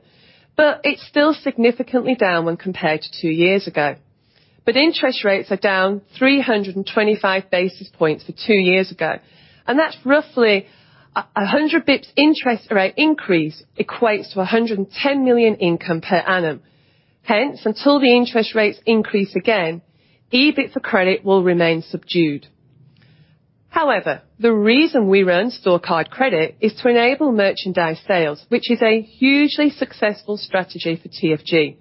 but it's still significantly down when compared to two years ago. Interest rates are down 325 basis points from two years ago, and that's roughly a 100 basis points interest rate increase equates to 110 million income per annum. Hence, until the interest rates increase again, EBIT for credit will remain subdued. However, the reason we run store card credit is to enable merchandise sales, which is a hugely successful strategy for TFG.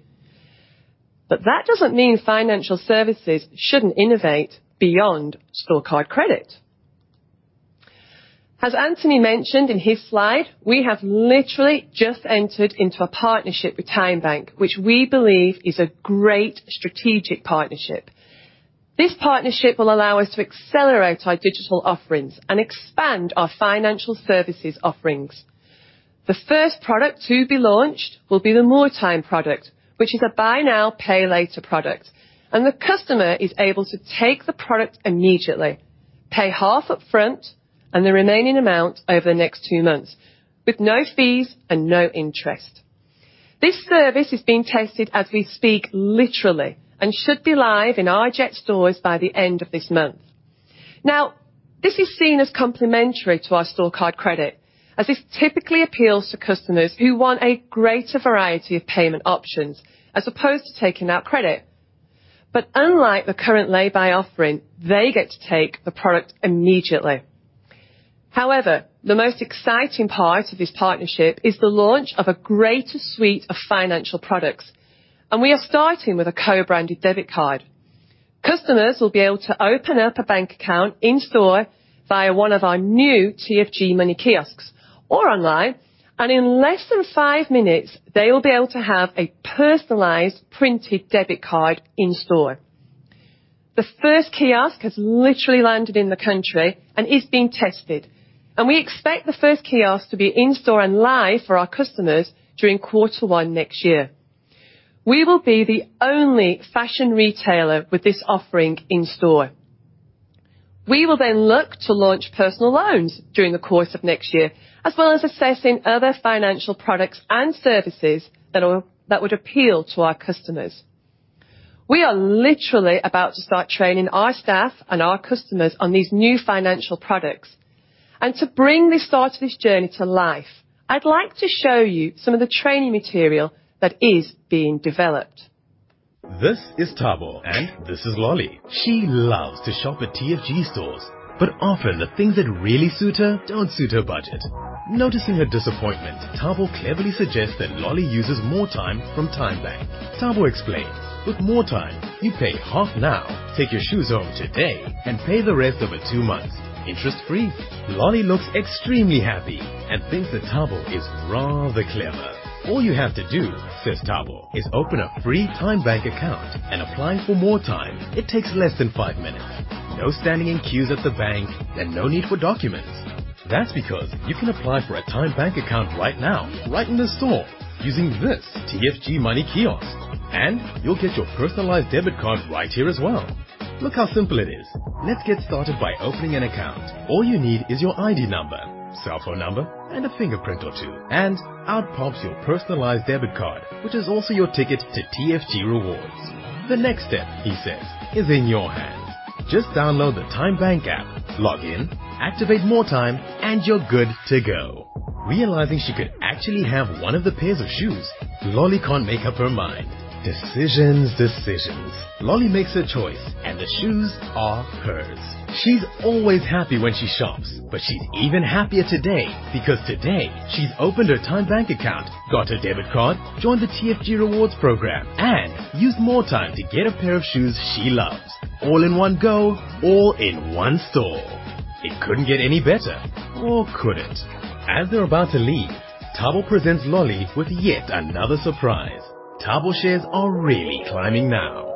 That doesn't mean financial services shouldn't innovate beyond store card credit. As Anthony mentioned in his slide, we have literally just entered into a partnership with TymeBank, which we believe is a great strategic partnership. This partnership will allow us to accelerate our digital offerings and expand our financial services offerings. The first product to be launched will be the MoreTyme product, which is a buy now, pay later product. The customer is able to take the product immediately, pay half upfront and the remaining amount over the next two months with no fees and no interest. This service is being tested as we speak, literally, and should be live in our Jet stores by the end of this month. Now, this is seen as complementary to our store card credit, as this typically appeals to customers who want a greater variety of payment options as opposed to taking out credit. Unlike the current lay-by offering, they get to take the product immediately. However, the most exciting part of this partnership is the launch of a greater suite of financial products, and we are starting with a co-branded debit card. Customers will be able to open up a bank account in-store via one of our new TFG Money kiosks or online, and in less than five minutes, they will be able to have a personalized printed debit card in-store. The first kiosk has literally landed in the country and is being tested, and we expect the first kiosk to be in-store and live for our customers during quarter one next year. We will be the only fashion retailer with this offering in store. We will then look to launch personal loans during the course of next year, as well as assessing other financial products and services that would appeal to our customers. We are literally about to start training our staff and our customers on these new financial products. To bring this start of this journey to life, I'd like to show you some of the training material that is being developed. This is Thabo, and this is Lolly. She loves to shop at TFG stores, but often the things that really suit her don't suit her budget. Noticing her disappointment, Thabo cleverly suggests that Lolly uses MoreTyme from TymeBank. Thabo explains, "With MoreTyme, you pay half now, take your shoes home today and pay the rest over two months, interest free." Lolly looks extremely happy and thinks that Thabo is rather clever. "All you have to do," says Thabo, "is open a free TymeBank account and applying for MoreTyme, it takes less than five minutes. No standing in queues at the bank and no need for documents. That's because you can apply for a TymeBank account right now, right in the store using this TFG Money kiosk, and you'll get your personalized debit card right here as well. Look how simple it is. Let's get started by opening an account. All you need is your ID number, cell phone number, and a fingerprint or two, and out pops your personalized debit card, which is also your ticket to TFG Rewards. The next step, he says, is in your hand. Just download the TymeBank app, log in, activate MoreTyme, and you're good to go. Realizing she could actually have one of the pairs of shoes, Lolly can't make up her mind. Decisions, decisions. Lolly makes her choice and the shoes are hers. She's always happy when she shops, but she's even happier today because today she's opened her TymeBank account, got her debit card, joined the TFG Rewards program, and used MoreTyme to get a pair of shoes she loves, all in one go, all in one store. It couldn't get any better. Or could it? As they're about to leave, Thabo presents Lolly with yet another surprise. Thabo's shares are really climbing now.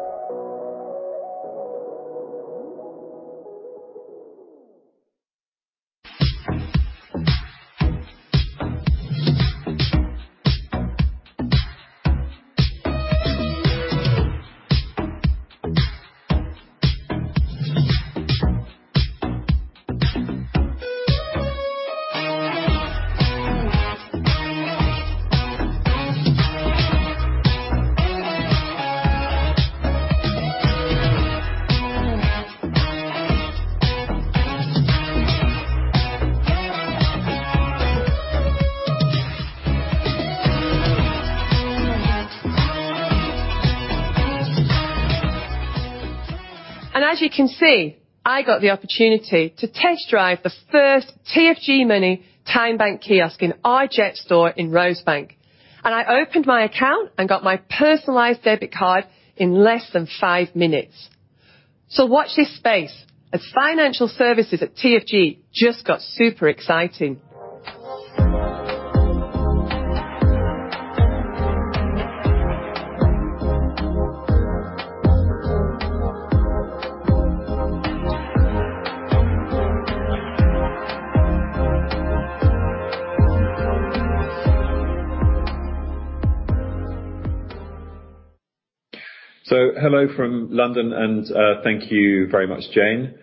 As you can see, I got the opportunity to test drive the first TFG Money TymeBank kiosk in our Jet store in Rosebank. I opened my account and got my personalized debit card in less than five minutes. Watch this space as financial services at TFG just got super exciting. Hello from London, and, thank you very much, Jane.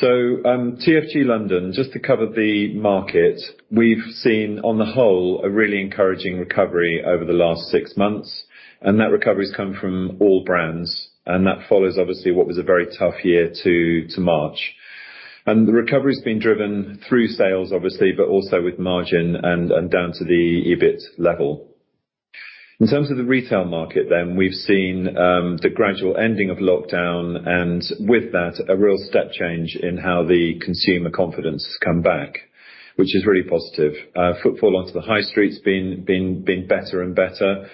TFG London, just to cover the market, we've seen on the whole a really encouraging recovery over the last six months, and that recovery has come from all brands. That follows obviously what was a very tough year to March. The recovery has been driven through sales, obviously, but also with margin and down to the EBIT level. In terms of the retail market then, we've seen the gradual ending of lockdown and with that, a real step change in how the consumer confidence has come back, which is really positive. Footfall onto the high street's been better and better.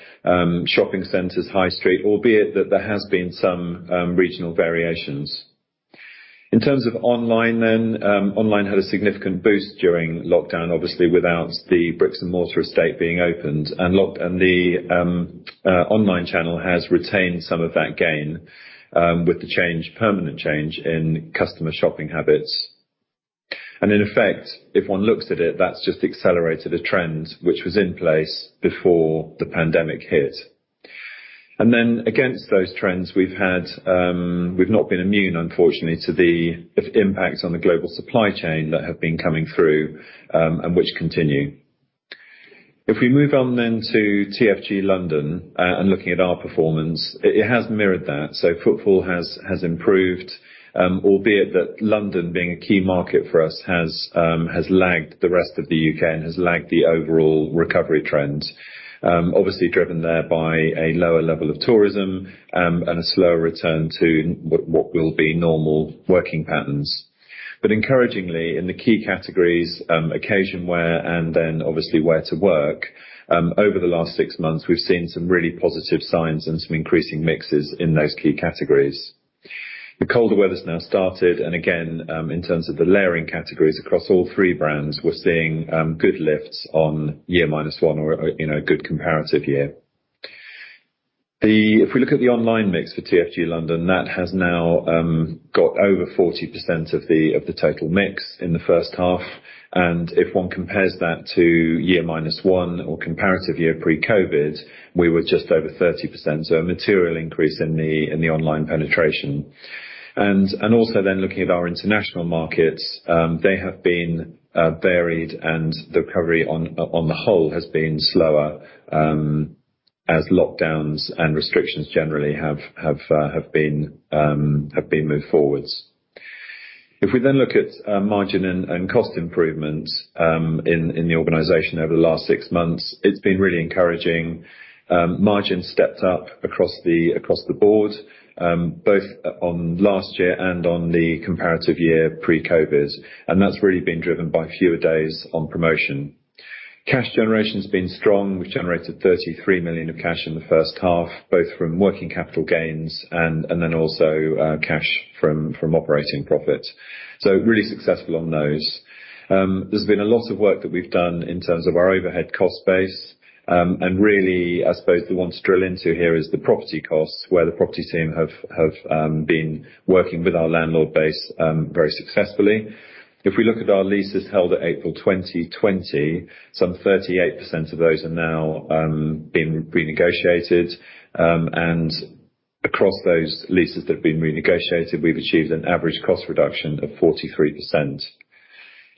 Shopping centers, high street, albeit that there has been some regional variations. In terms of online then, online had a significant boost during lockdown, obviously, without the bricks and mortar estate being opened. The online channel has retained some of that gain with the permanent change in customer shopping habits. In effect, if one looks at it, that's just accelerated a trend which was in place before the pandemic hit. Against those trends we've not been immune, unfortunately, to the impacts on the global supply chain that have been coming through and which continue. If we move on then to TFG London and looking at our performance, it has mirrored that. Footfall has improved, albeit that London being a key market for us has lagged the rest of the U.K. and has lagged the overall recovery trend. Obviously driven there by a lower level of tourism and a slower return to what will be normal working patterns. Encouragingly in the key categories, occasion wear, and then obviously wear to work, over the last six months, we've seen some really positive signs and some increasing mixes in those key categories. The colder weather's now started and again, in terms of the layering categories across all three brands, we're seeing good lifts on year minus one or, you know, good comparative year. If we look at the online mix for TFG London, that has now got over 40% of the total mix in the first half. If one compares that to year minus one or comparative year pre-COVID, we were just over 30%. A material increase in the online penetration. Looking at our international markets, they have been varied and the recovery on the whole has been slower, as lockdowns and restrictions generally have been moved forwards. If we look at margin and cost improvements in the organization over the last six months, it's been really encouraging. Margin stepped up across the board, both on last year and on the comparative year pre-COVID, and that's really been driven by fewer days on promotion. Cash generation's been strong. We've generated 33 million of cash in the first half, both from working capital gains and then also cash from operating profit. Really successful on those. There's been a lot of work that we've done in terms of our overhead cost base. Really I suppose the ones to drill into here is the property costs where the property team have been working with our landlord base very successfully. If we look at our leases held at April 2020, some 38% of those are now been renegotiated. Across those leases that have been renegotiated, we've achieved an average cost reduction of 43%.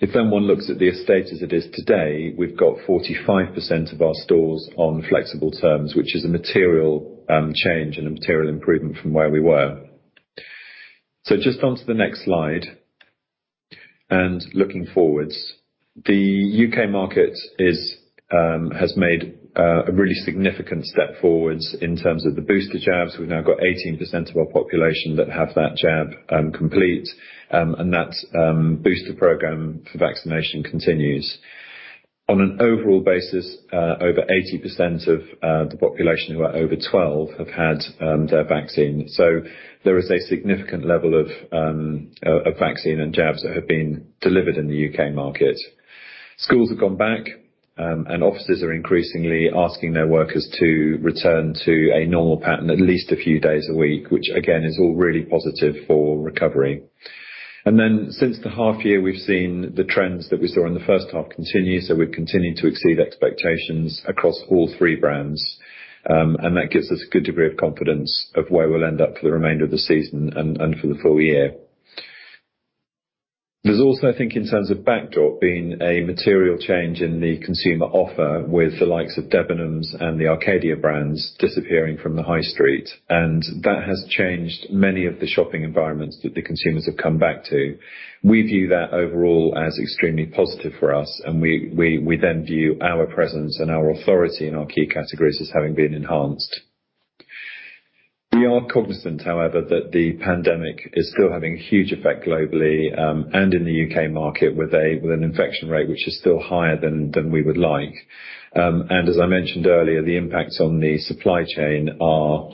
If then one looks at the estate as it is today, we've got 45% of our stores on flexible terms, which is a material change and a material improvement from where we were. Just onto the next slide. Looking forwards, the U.K. market has made a really significant step forwards in terms of the booster jabs. We've now got 18% of our population that have that jab complete, and that booster program for vaccination continues. On an overall basis, over 80% of the population who are over 12 have had their vaccine. There is a significant level of vaccine and jabs that have been delivered in the U.K. market. Schools have gone back, and offices are increasingly asking their workers to return to a normal pattern at least a few days a week, which again is all really positive for recovery. Since the half year we've seen the trends that we saw in the first half continue. We've continued to exceed expectations across all three brands. That gives us a good degree of confidence of where we'll end up for the remainder of the season and for the full year. There's also, I think, in terms of backdrop, been a material change in the consumer offer with the likes of Debenhams and the Arcadia brands disappearing from the high street. That has changed many of the shopping environments that the consumers have come back to. We view that overall as extremely positive for us, and we then view our presence and our authority in our key categories as having been enhanced. We are cognizant, however, that the pandemic is still having a huge effect globally, and in the U.K. market with an infection rate which is still higher than we would like. As I mentioned earlier, the impacts on the supply chain are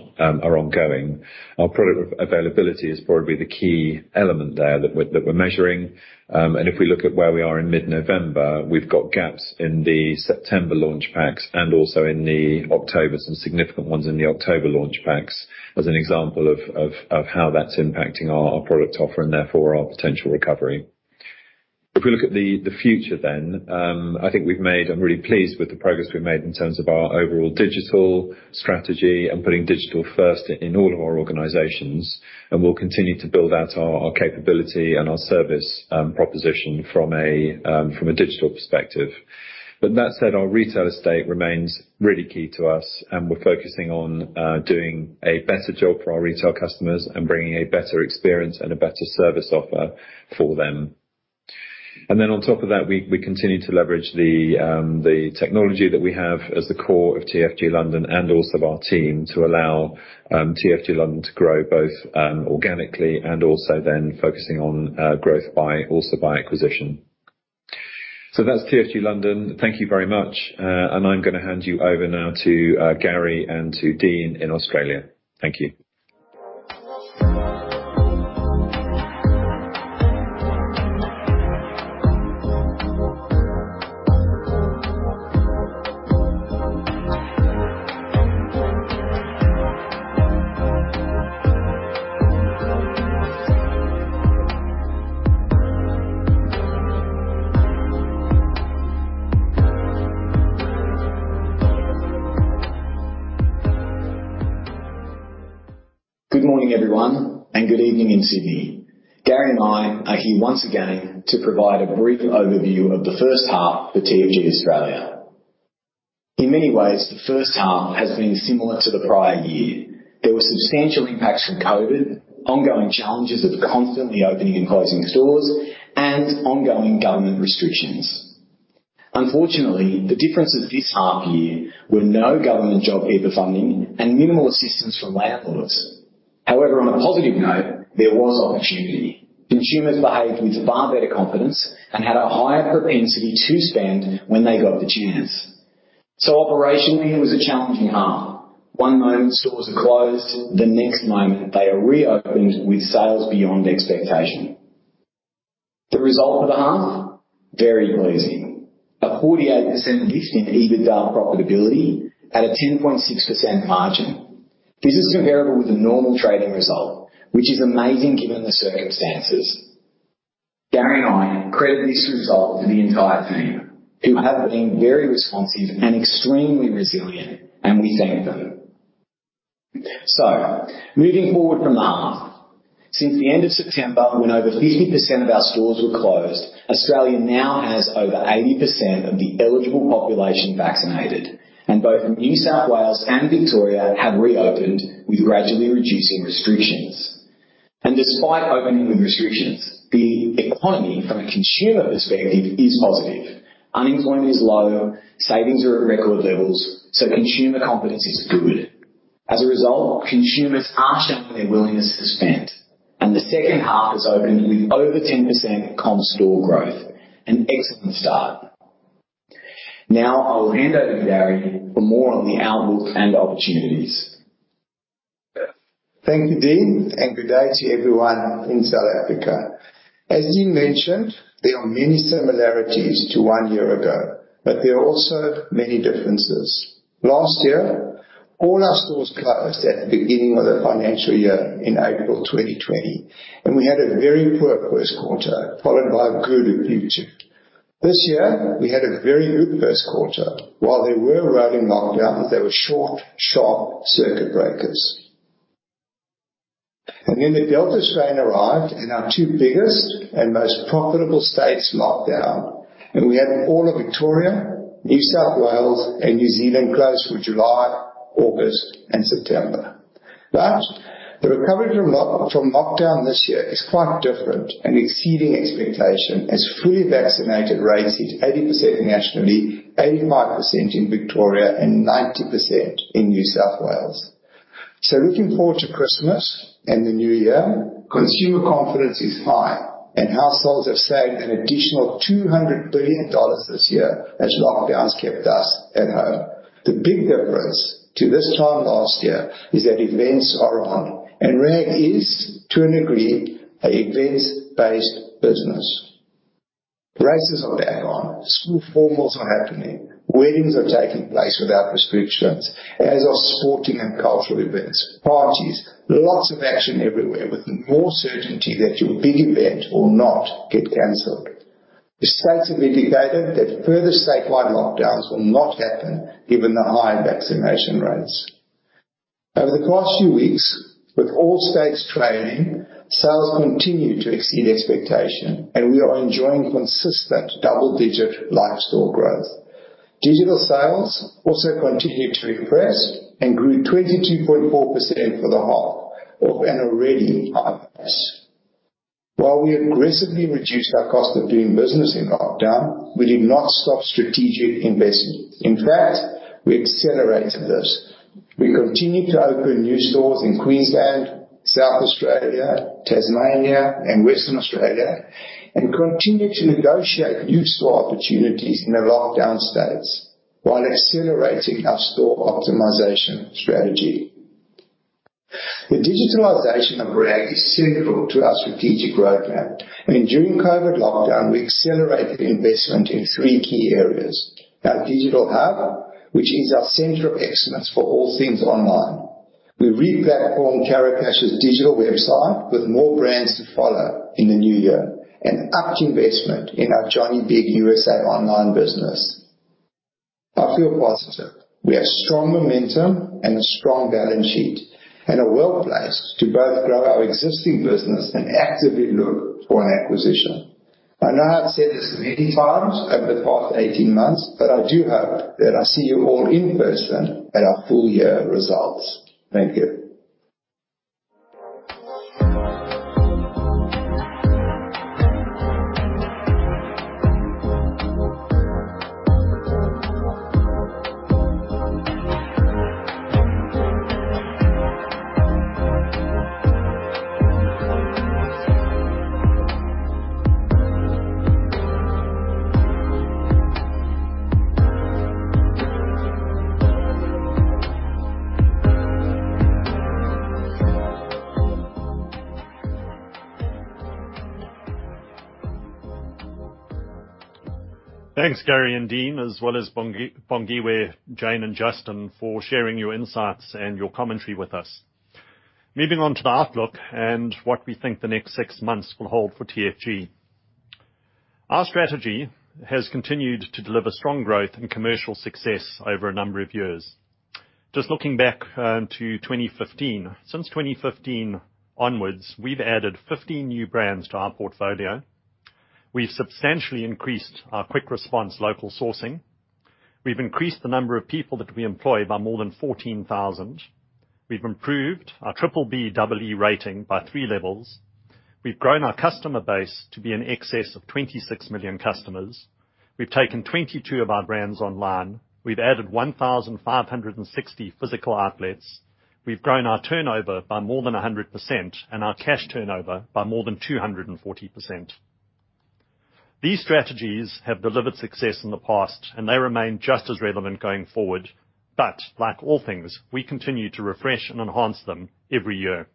ongoing. Our product availability is probably the key element there that we're measuring. If we look at where we are in mid-November, we've got gaps in the September launch packs and also in the October. Some significant ones in the October launch packs as an example of how that's impacting our product offer and therefore our potential recovery. If we look at the future, I'm really pleased with the progress we've made in terms of our overall digital strategy and putting digital first in all of our organizations, and we'll continue to build out our capability and our service proposition from a digital perspective. That said, our retail estate remains really key to us, and we're focusing on doing a better job for our retail customers and bringing a better experience and a better service offer for them. On top of that, we continue to leverage the technology that we have as the core of TFG London and also our team to allow TFG London to grow both organically and also then focusing on growth by acquisition. That's TFG London. Thank you very much. I'm gonna hand you over now to Gary and to Dean in Australia. Thank you. Good morning, everyone, and good evening in Sydney. Gary and I are here once again to provide a brief overview of the first half for TFG Australia. In many ways, the first half has been similar to the prior year. There were substantial impacts from COVID, ongoing challenges of constantly opening and closing stores, and ongoing government restrictions. Unfortunately, the differences this half year were no government JobKeeper funding and minimal assistance from landlords. However, on a positive note, there was opportunity. Consumers behaved with far better confidence and had a higher propensity to spend when they got the chance. Operationally, it was a challenging half. One moment stores are closed, the next moment they are reopened with sales beyond expectation. The result for the half was very pleasing. A 48% lift in EBITDA profitability at a 10.6% margin. This is comparable with the normal trading result, which is amazing given the circumstances. Gary and I credit this result to the entire team, who have been very responsive and extremely resilient, and we thank them. Moving forward from the half. Since the end of September, when over 50% of our stores were closed, Australia now has over 80% of the eligible population vaccinated. Despite opening with restrictions, the economy from a consumer perspective is positive. Unemployment is low, savings are at record levels, so consumer confidence is good. As a result, consumers are showing their willingness to spend, and the second half has opened with over 10% comp store growth, an excellent start. Now I'll hand over to Gary for more on the outlook and opportunities. Thank you, Dean, and good day to everyone in South Africa. As Dean mentioned, there are many similarities to one year ago, but there are also many differences. Last year, all our stores closed at the beginning of the financial year in April 2020, and we had a very poor first quarter, followed by a good future. This year, we had a very good first quarter. While there were rolling lockdowns, they were short, sharp circuit breakers. Then the Delta strain arrived, and our two biggest and most profitable states locked down. We had all of Victoria, New South Wales and New Zealand closed for July, August and September. The recovery from lockdown this year is quite different and exceeding expectation as fully vaccinated rates hit 80% nationally, 85% in Victoria and 90% in New South Wales. Looking forward to Christmas and the new year, consumer confidence is high and households have saved an additional 200 billion dollars this year as lockdowns kept us at home. The big difference to this time last year is that events are on and RAG is, to a degree, an event-based business. Races are back on, school formals are happening, weddings are taking place without restrictions, as are sporting and cultural events, parties, lots of action everywhere with more certainty that your big event will not get canceled. The states have indicated that further statewide lockdowns will not happen given the high vaccination rates. Over the past few weeks, with all states trading, sales continued to exceed expectation and we are enjoying consistent double-digit lifestyle growth. Digital sales also continued to impress and grew 22.4% for the half of an already high base. While we aggressively reduced our cost of doing business in lockdown, we did not stop strategic investment. In fact, we accelerated this. We continued to open new stores in Queensland, South Australia, Tasmania and Western Australia, and continued to negotiate new store opportunities in the lockdown states while accelerating our store optimization strategy. The digitalization of RAG is central to our strategic roadmap, and during COVID lockdown we accelerated investment in three key areas. Our digital hub, which is our center of excellence for all things online. We re-platformed Tarocash's digital website with more brands to follow in the new year and upped investment in our Johnny Bigg USA online business. I feel positive. We have strong momentum and a strong balance sheet and are well-placed to both grow our existing business and actively look for an acquisition. I know I've said this many times over the past eighteen months, but I do hope that I see you all in person at our full year results. Thank you. Thanks, Gary and Dean, as well as Bongiwe, Jane, and Justin for sharing your insights and your commentary with us. Moving on to the outlook and what we think the next six months will hold for TFG. Our strategy has continued to deliver strong growth and commercial success over a number of years. Just looking back to 2015. Since 2015 onwards, we've added 15 new brands to our portfolio. We've substantially increased our quick response local sourcing. We've increased the number of people that we employ by more than 14,000. We've improved our B-BBEE rating by 3 levels. We've grown our customer base to be in excess of 26 million customers. We've taken 22 of our brands online. We've added 1,560 physical outlets. We've grown our turnover by more than 100% and our cash turnover by more than 240%. These strategies have delivered success in the past, and they remain just as relevant going forward. Like all things, we continue to refresh and enhance them every year.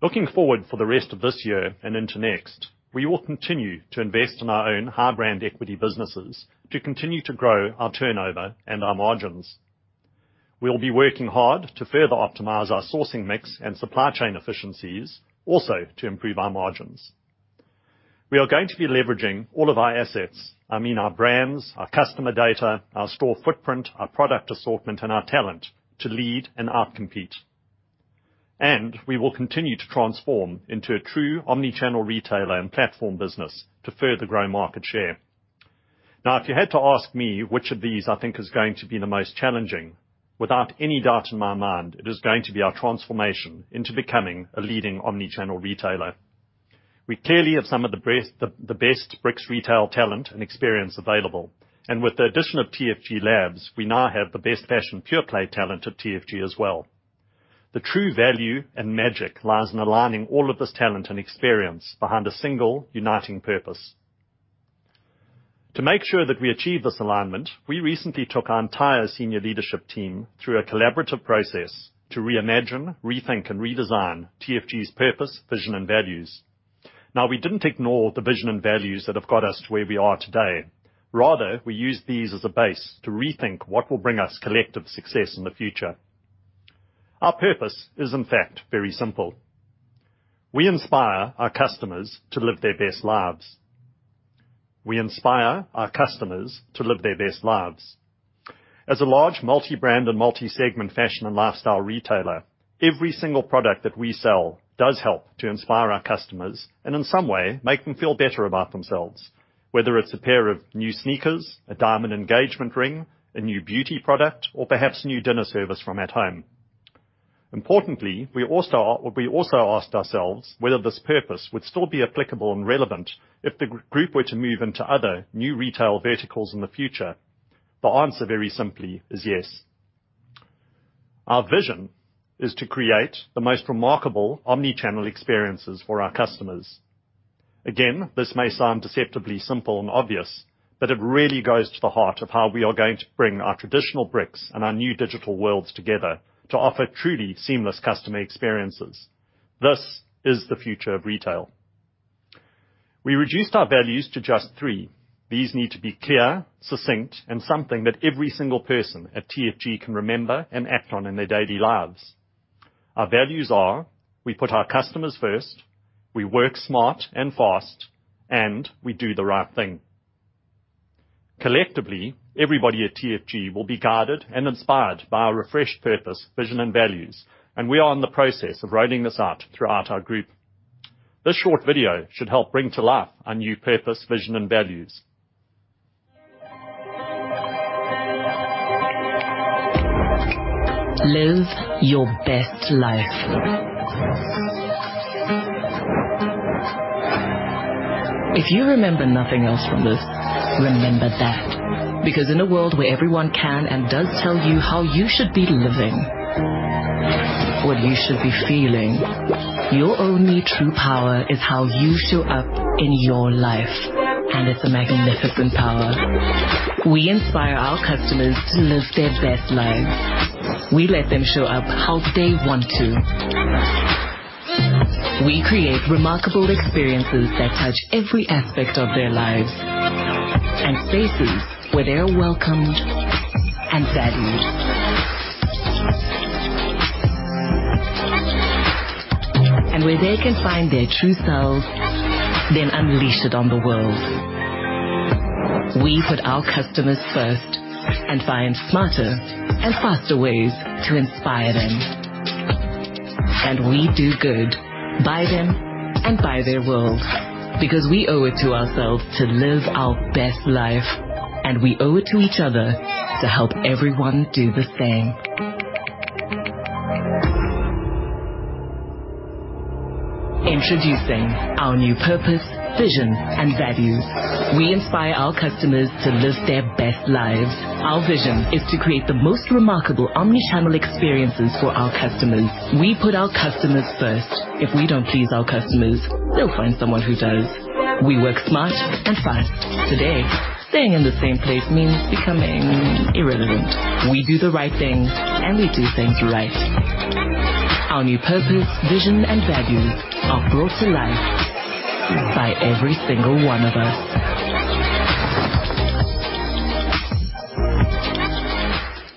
Looking forward for the rest of this year and into next, we will continue to invest in our own high brand equity businesses to continue to grow our turnover and our margins. We will be working hard to further optimize our sourcing mix and supply chain efficiencies, also to improve our margins. We are going to be leveraging all of our assets. I mean, our brands, our customer data, our store footprint, our product assortment, and our talent to lead and outcompete. We will continue to transform into a true omni-channel retailer and platform business to further grow market share. Now, if you had to ask me which of these I think is going to be the most challenging, without any doubt in my mind, it is going to be our transformation into becoming a leading omni-channel retailer. We clearly have some of the best bricks retail talent and experience available. With the addition of TFG Labs, we now have the best fashion pure play talent at TFG as well. The true value and magic lies in aligning all of this talent and experience behind a single uniting purpose. To make sure that we achieve this alignment, we recently took our entire senior leadership team through a collaborative process to reimagine, rethink, and redesign TFG's purpose, vision, and values. Now, we didn't ignore the vision and values that have got us to where we are today. Rather, we used these as a base to rethink what will bring us collective success in the future. Our purpose is in fact very simple. We inspire our customers to live their best lives. As a large multi-brand and multi-segment fashion and lifestyle retailer, every single product that we sell does help to inspire our customers and in some way make them feel better about themselves, whether it's a pair of new sneakers, a diamond engagement ring, a new beauty product, or perhaps new dinner service from @home. Importantly, we also asked ourselves whether this purpose would still be applicable and relevant if the Group were to move into other new retail verticals in the future. The answer very simply is yes. Our vision is to create the most remarkable omnichannel experiences for our customers. Again, this may sound deceptively simple and obvious, but it really goes to the heart of how we are going to bring our traditional bricks and our new digital worlds together to offer truly seamless customer experiences. This is the future of retail. We reduced our values to just three. These need to be clear, succinct, and something that every single person at TFG can remember and act on in their daily lives. Our values are. We put our customers first, we work smart and fast, and we do the right thing. Collectively, everybody at TFG will be guided and inspired by our refreshed purpose, vision, and values, and we are in the process of rolling this out throughout our group. This short video should help bring to life our new purpose, vision, and values. Live your best life. If you remember nothing else from this, remember that. Because in a world where everyone can and does tell you how you should be living, what you should be feeling, your only true power is how you show up in your life, and it's a magnificent power. We inspire our customers to live their best lives. We let them show up how they want to. We create remarkable experiences that touch every aspect of their lives, and spaces where they're welcomed and valued. Where they can find their true selves, then unleash it on the world. We put our customers first and find smarter and faster ways to inspire them. We do good by them and by their world because we owe it to ourselves to live our best life, and we owe it to each other to help everyone do the same. Introducing our new purpose, vision, and values. We inspire our customers to live their best lives. Our vision is to create the most remarkable omnichannel experiences for our customers. We put our customers first. If we don't please our customers, they'll find someone who does. We work smart and fast. Today, staying in the same place means becoming irrelevant. We do the right things, and we do things right. Our new purpose, vision, and values are brought to life by every single one of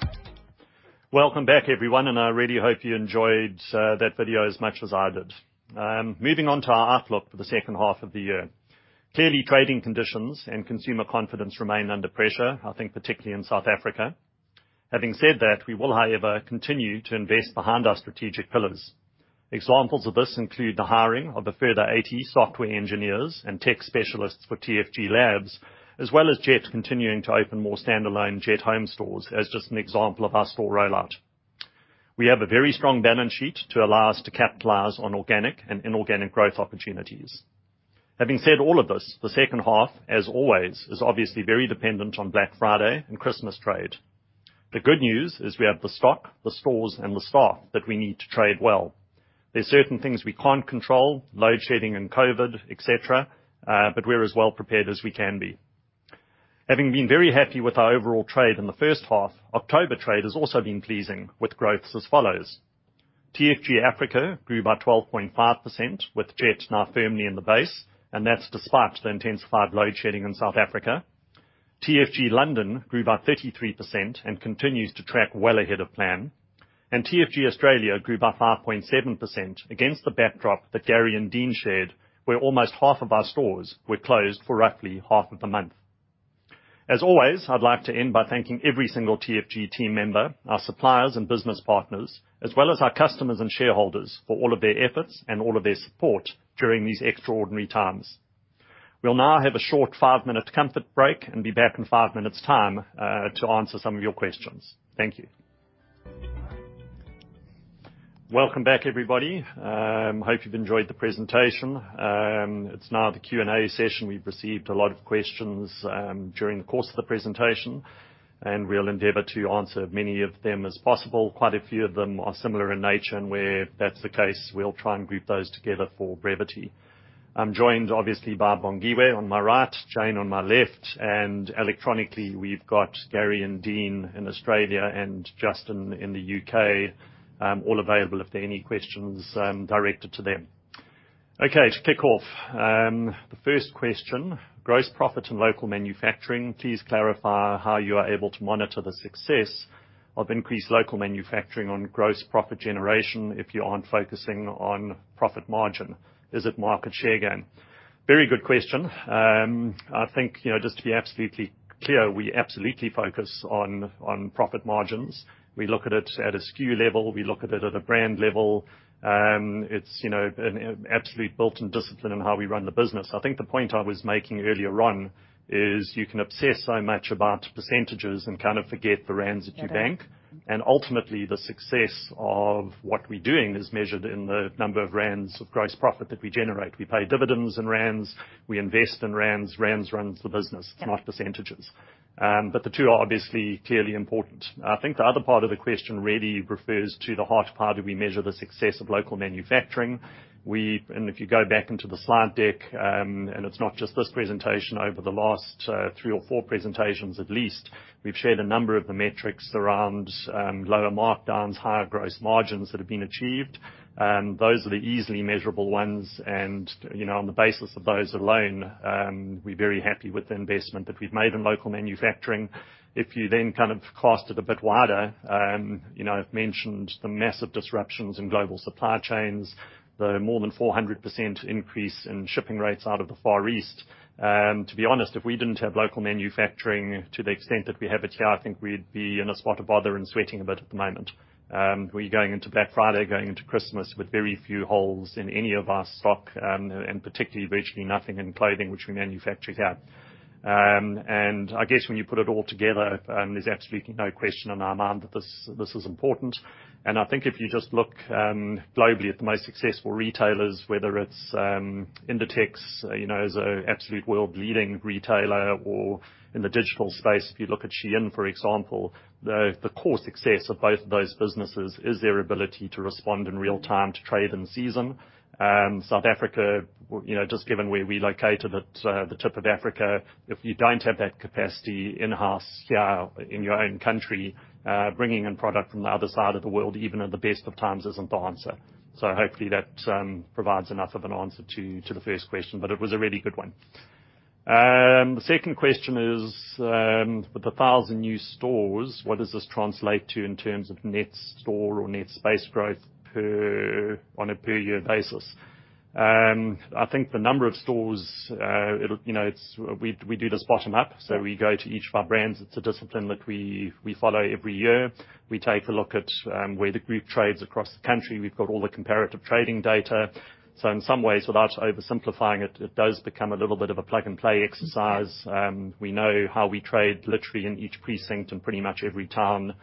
us. Welcome back, everyone, and I really hope you enjoyed that video as much as I did. Moving on to our outlook for the second half of the year. Clearly, trading conditions and consumer confidence remain under pressure, I think particularly in South Africa. Having said that, we will, however, continue to invest behind our strategic pillars. Examples of this include the hiring of a further 80 software engineers and tech specialists for TFG Labs, as well as Jet continuing to open more standalone Jet Home stores as just an example of our store rollout. We have a very strong balance sheet to allow us to capitalize on organic and inorganic growth opportunities. Having said all of this, the second half, as always, is obviously very dependent on Black Friday and Christmas trade. The good news is we have the stock, the stores, and the staff that we need to trade well. There's certain things we can't control, load shedding and COVID, et cetera, but we're as well prepared as we can be. Having been very happy with our overall trade in the first half, October trade has also been pleasing with growths as follows: TFG Africa grew by 12.5%, with Jet now firmly in the base, and that's despite the intensified load shedding in South Africa. TFG London grew by 33% and continues to track well ahead of plan. TFG Australia grew by 5.7% against the backdrop that Gary and Dean shared, where almost half of our stores were closed for roughly half of the month. As always, I'd like to end by thanking every single TFG team member, our suppliers and business partners, as well as our customers and shareholders for all of their efforts and all of their support during these extraordinary times. We'll now have a short five-minute comfort break and be back in five minutes' time to answer some of your questions. Thank you. Welcome back, everybody. Hope you've enjoyed the presentation. It's now the Q&A session. We've received a lot of questions during the course of the presentation, and we'll endeavor to answer as many of them as possible. Quite a few of them are similar in nature, and where that's the case, we'll try and group those together for brevity. I'm joined, obviously, by Boningwe on my right, Jane on my left, and electronically we've got Gary and Dean in Australia and Justin in the U.K., all available if there are any questions directed to them. Okay, to kick off, the first question, gross profit and local manufacturing. Please clarify how you are able to monitor the success of increased local manufacturing on gross profit generation if you aren't focusing on profit margin. Is it market share gain? Very good question. I think, you know, just to be absolutely clear, we absolutely focus on profit margins. We look at it at a SKU level. We look at it at a brand level. It's, you know, an absolute built-in discipline in how we run the business. I think the point I was making earlier on is you can obsess so much about percentages and kind of forget the rands that you bank. Ultimately, the success of what we're doing is measured in the number of rands of gross profit that we generate. We pay dividends in rands. We invest in rands. Rands runs the business, not percentages. But the two are obviously clearly important. I think the other part of the question really refers to the heart of how do we measure the success of local manufacturing. If you go back into the slide deck, and it's not just this presentation. Over the last, 3 or 4 presentations at least, we've shared a number of the metrics around, lower markdowns, higher gross margins that have been achieved. Those are the easily measurable ones. You know, on the basis of those alone, we're very happy with the investment that we've made in local manufacturing. If you then kind of cast it a bit wider, you know, I've mentioned the massive disruptions in global supply chains, the more than 400% increase in shipping rates out of the Far East. To be honest, if we didn't have local manufacturing to the extent that we have it here, I think we'd be in a spot of bother and sweating a bit at the moment. We're going into Black Friday, going into Christmas with very few holes in any of our stock, and particularly virtually nothing in clothing which we manufacture here. And I guess when you put it all together, there's absolutely no question in our mind that this is important. I think if you just look globally at the most successful retailers, whether it's Inditex, you know, as an absolute world-leading retailer or in the digital space, if you look at SHEIN, for example. The core success of both of those businesses is their ability to respond in real time to trade and season. South Africa, you know, just given where we're located at, the tip of Africa, if you don't have that capacity in-house here in your own country, bringing in product from the other side of the world, even at the best of times isn't the answer. Hopefully that provides enough of an answer to the first question, but it was a really good one. The second question is, with 1,000 new stores, what does this translate to in terms of net store or net space growth on a per year basis? I think the number of stores, you know, we do this bottom up. We go to each of our brands. It's a discipline that we follow every year. We take a look at where the group trades across the country. We've got all the comparative trading data. In some ways, without oversimplifying it does become a little bit of a plug-and-play exercise. We know how we trade literally in each precinct in pretty much every town,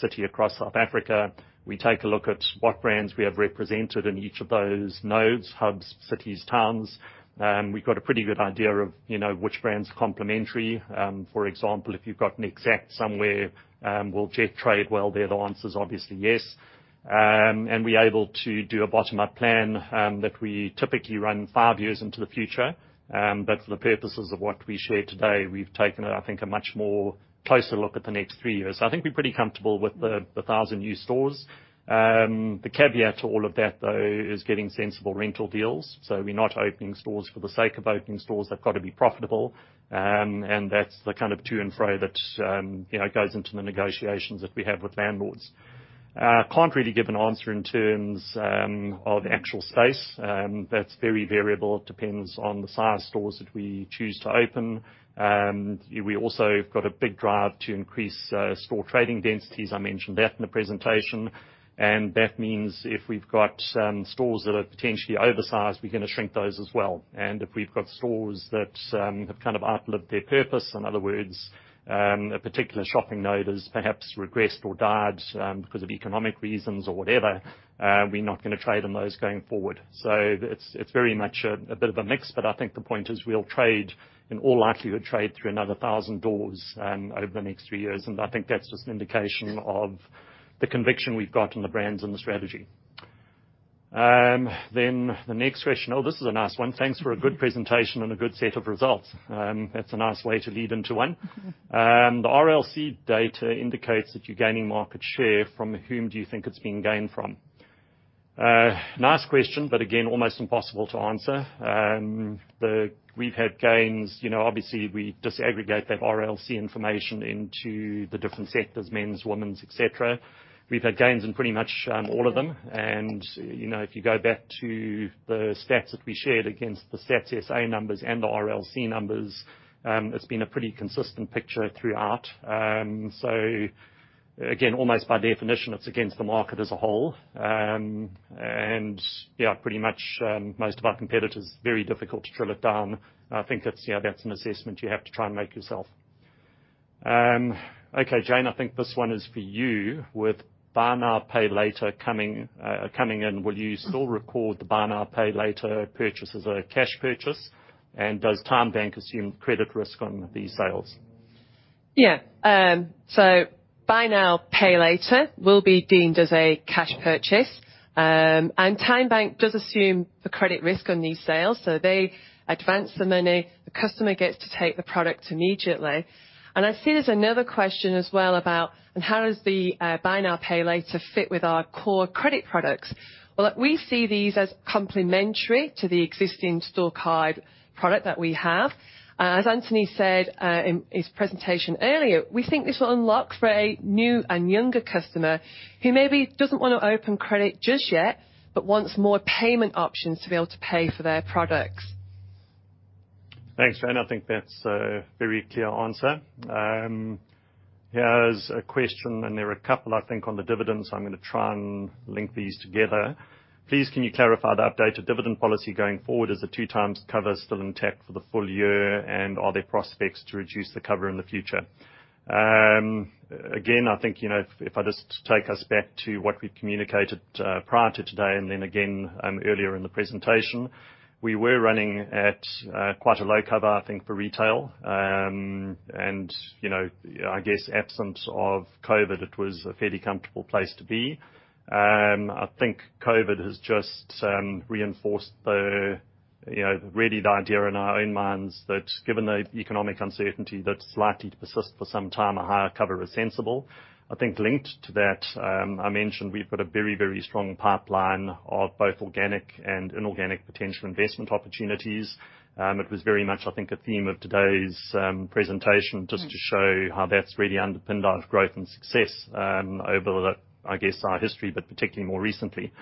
city across South Africa. We take a look at what brands we have represented in each of those nodes, hubs, cities, towns, and we've got a pretty good idea of, you know, which brand's complementary. For example, if you've got an Exact somewhere, will Jet trade well there? The answer is obviously yes. We're able to do a bottom-up plan that we typically run five years into the future. For the purposes of what we share today, we've taken, I think, a much more closer look at the next three years. I think we're pretty comfortable with the 1,000 new stores. The caveat to all of that, though, is getting sensible rental deals. We're not opening stores for the sake of opening stores. They've got to be profitable, and that's the kind of to-and-fro that, you know, goes into the negotiations that we have with landlords. Can't really give an answer in terms of actual space. That's very variable. It depends on the size of stores that we choose to open. We also have got a big drive to increase store trading densities. I mentioned that in the presentation. That means if we've got stores that are potentially oversized, we're gonna shrink those as well. If we've got stores that have kind of outlived their purpose, in other words, a particular shopping node has perhaps regressed or died because of economic reasons or whatever, we're not gonna trade on those going forward. It's very much a bit of a mix, but I think the point is we'll trade, in all likelihood, through another 1,000 doors over the next 3 years. I think that's just an indication of the conviction we've got in the brands and the strategy. The next question. Oh, this is a nice one. Thanks for a good presentation and a good set of results. That's a nice way to lead into one. The RLC data indicates that you're gaining market share. From whom do you think it's being gained from? Nice question, but again, almost impossible to answer. We've had gains. You know, obviously, we disaggregate that RLC information into the different sectors, men's, women's, et cetera. We've had gains in pretty much all of them. You know, if you go back to the stats that we shared against the Stats SA numbers and the RLC numbers, it's been a pretty consistent picture throughout. Again, almost by definition, it's against the market as a whole. Yeah, pretty much, most of our competitors, very difficult to drill it down. I think that's, you know, that's an assessment you have to try and make yourself. Okay, Jane, I think this one is for you. With buy now, pay later coming in, will you still record the buy now, pay later purchase as a cash purchase? And does TymeBank assume credit risk on these sales? Yeah. Buy now, pay later will be deemed as a cash purchase. TymeBank does assume the credit risk on these sales. They advance the money, the customer gets to take the product immediately. I see there's another question as well about how does the buy now, pay later fit with our core credit products? Well, look, we see these as complementary to the existing store card product that we have. As Anthony said, in his presentation earlier, we think this will unlock for a new and younger customer who maybe doesn't wanna open credit just yet, but wants more payment options to be able to pay for their products. Thanks, Jane. I think that's a very clear answer. Here's a question, and there are a couple, I think, on the dividends. I'm gonna try and link these together. Please, can you clarify the update to dividend policy going forward? Is the 2x cover still intact for the full year, and are there prospects to reduce the cover in the future? Again, I think, you know, if I just take us back to what we communicated prior to today and then again earlier in the presentation, we were running at quite a low cover, I think, for retail. You know, I guess in the absence of COVID, it was a fairly comfortable place to be. I think COVID has just reinforced the, you know, really the idea in our own minds that given the economic uncertainty that's likely to persist for some time, a higher cover is sensible. I think linked to that, I mentioned we've got a very, very strong pipeline of both organic and inorganic potential investment opportunities. It was very much, I think, a theme of today's presentation just to show how that's really underpinned our growth and success over the, I guess, our history, but particularly more recently.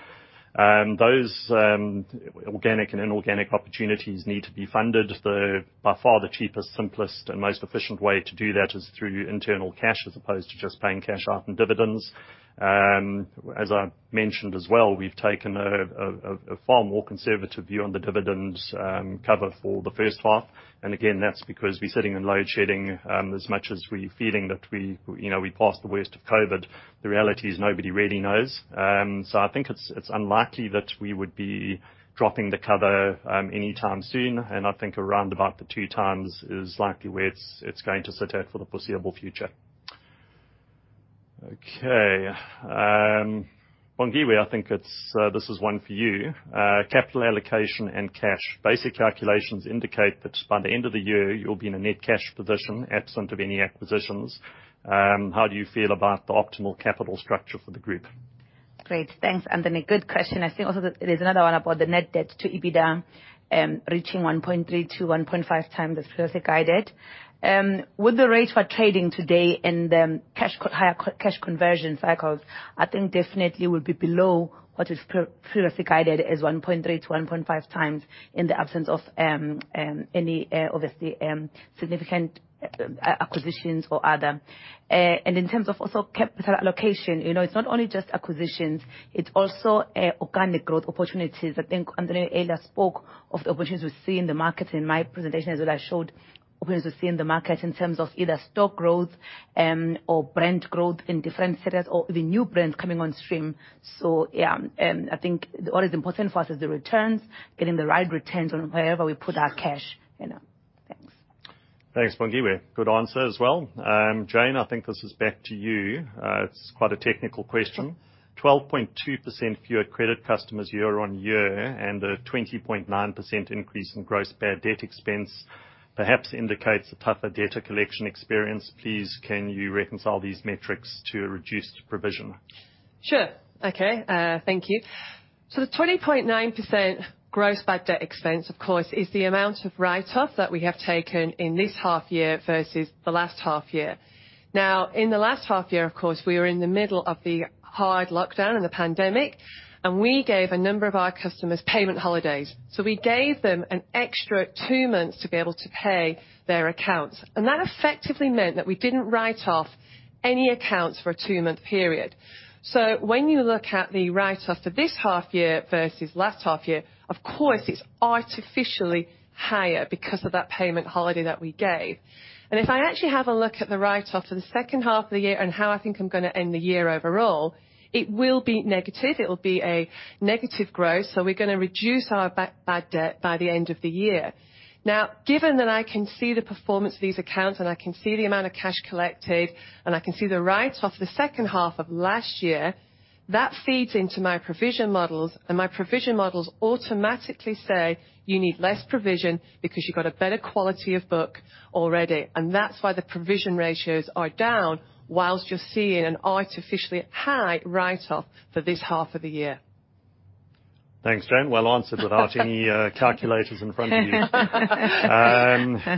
Those organic and inorganic opportunities need to be funded. The by far the cheapest, simplest, and most efficient way to do that is through internal cash as opposed to just paying cash out in dividends. As I mentioned as well, we've taken a far more conservative view on the dividends cover for the first half. Again, that's because we're sitting in load shedding. As much as we're feeling that we, you know, we're past the worst of COVID, the reality is nobody really knows. I think it's unlikely that we would be dropping the cover anytime soon, and I think around about the 2 times is likely where it's going to sit at for the foreseeable future. Okay. Bongiwe, I think this is one for you. Capital allocation and cash. Basic calculations indicate that by the end of the year, you'll be in a net cash position absent of any acquisitions. How do you feel about the optimal capital structure for the group? Great. Thanks, Anthony. Good question. I think also there's another one about the net debt to EBITDA reaching 1.3-1.5 times as previously guided. With the rates we're trading today and the cash, higher cash conversion cycles, I think definitely will be below what is previously guided as 1.3-1.5 times in the absence of any obviously significant acquisitions or other. In terms of also capital allocation, you know, it's not only just acquisitions, it's also organic growth opportunities. I think Anthony earlier spoke of the opportunities we see in the market. In my presentation as well, I showed opportunities we see in the market in terms of either stock growth or brand growth in different sectors or the new brands coming on stream. I think what is important for us is the returns, getting the right returns on wherever we put our cash, you know? Thanks. Thanks, Bongiwe. Good answer as well. Jane, I think this is back to you. It's quite a technical question. 12.2% fewer credit customers year-over-year, and a 20.9% increase in gross bad debt expense perhaps indicates a tougher data collection experience. Please, can you reconcile these metrics to a reduced provision? Thank you. The 20.9% gross bad debt expense, of course, is the amount of write-off that we have taken in this half year versus the last half year. Now, in the last half year, of course, we were in the middle of the hard lockdown and the pandemic, and we gave a number of our customers payment holidays. We gave them an extra two months to be able to pay their accounts. That effectively meant that we didn't write off any accounts for a two-month period. When you look at the write-off for this half year versus last half year, of course, it's artificially higher because of that payment holiday that we gave. If I actually have a look at the write-off for the second half of the year and how I think I'm gonna end the year overall, it will be negative. It will be a negative growth. We're gonna reduce our bad debt by the end of the year. Now, given that I can see the performance of these accounts, and I can see the amount of cash collected, and I can see the write-off the second half of last year, that feeds into my provision models, and my provision models automatically say, you need less provision because you've got a better quality of book already. That's why the provision ratios are down while you're seeing an artificially high write-off for this half of the year. Thanks, Jane. Well answered without any calculators in front of you.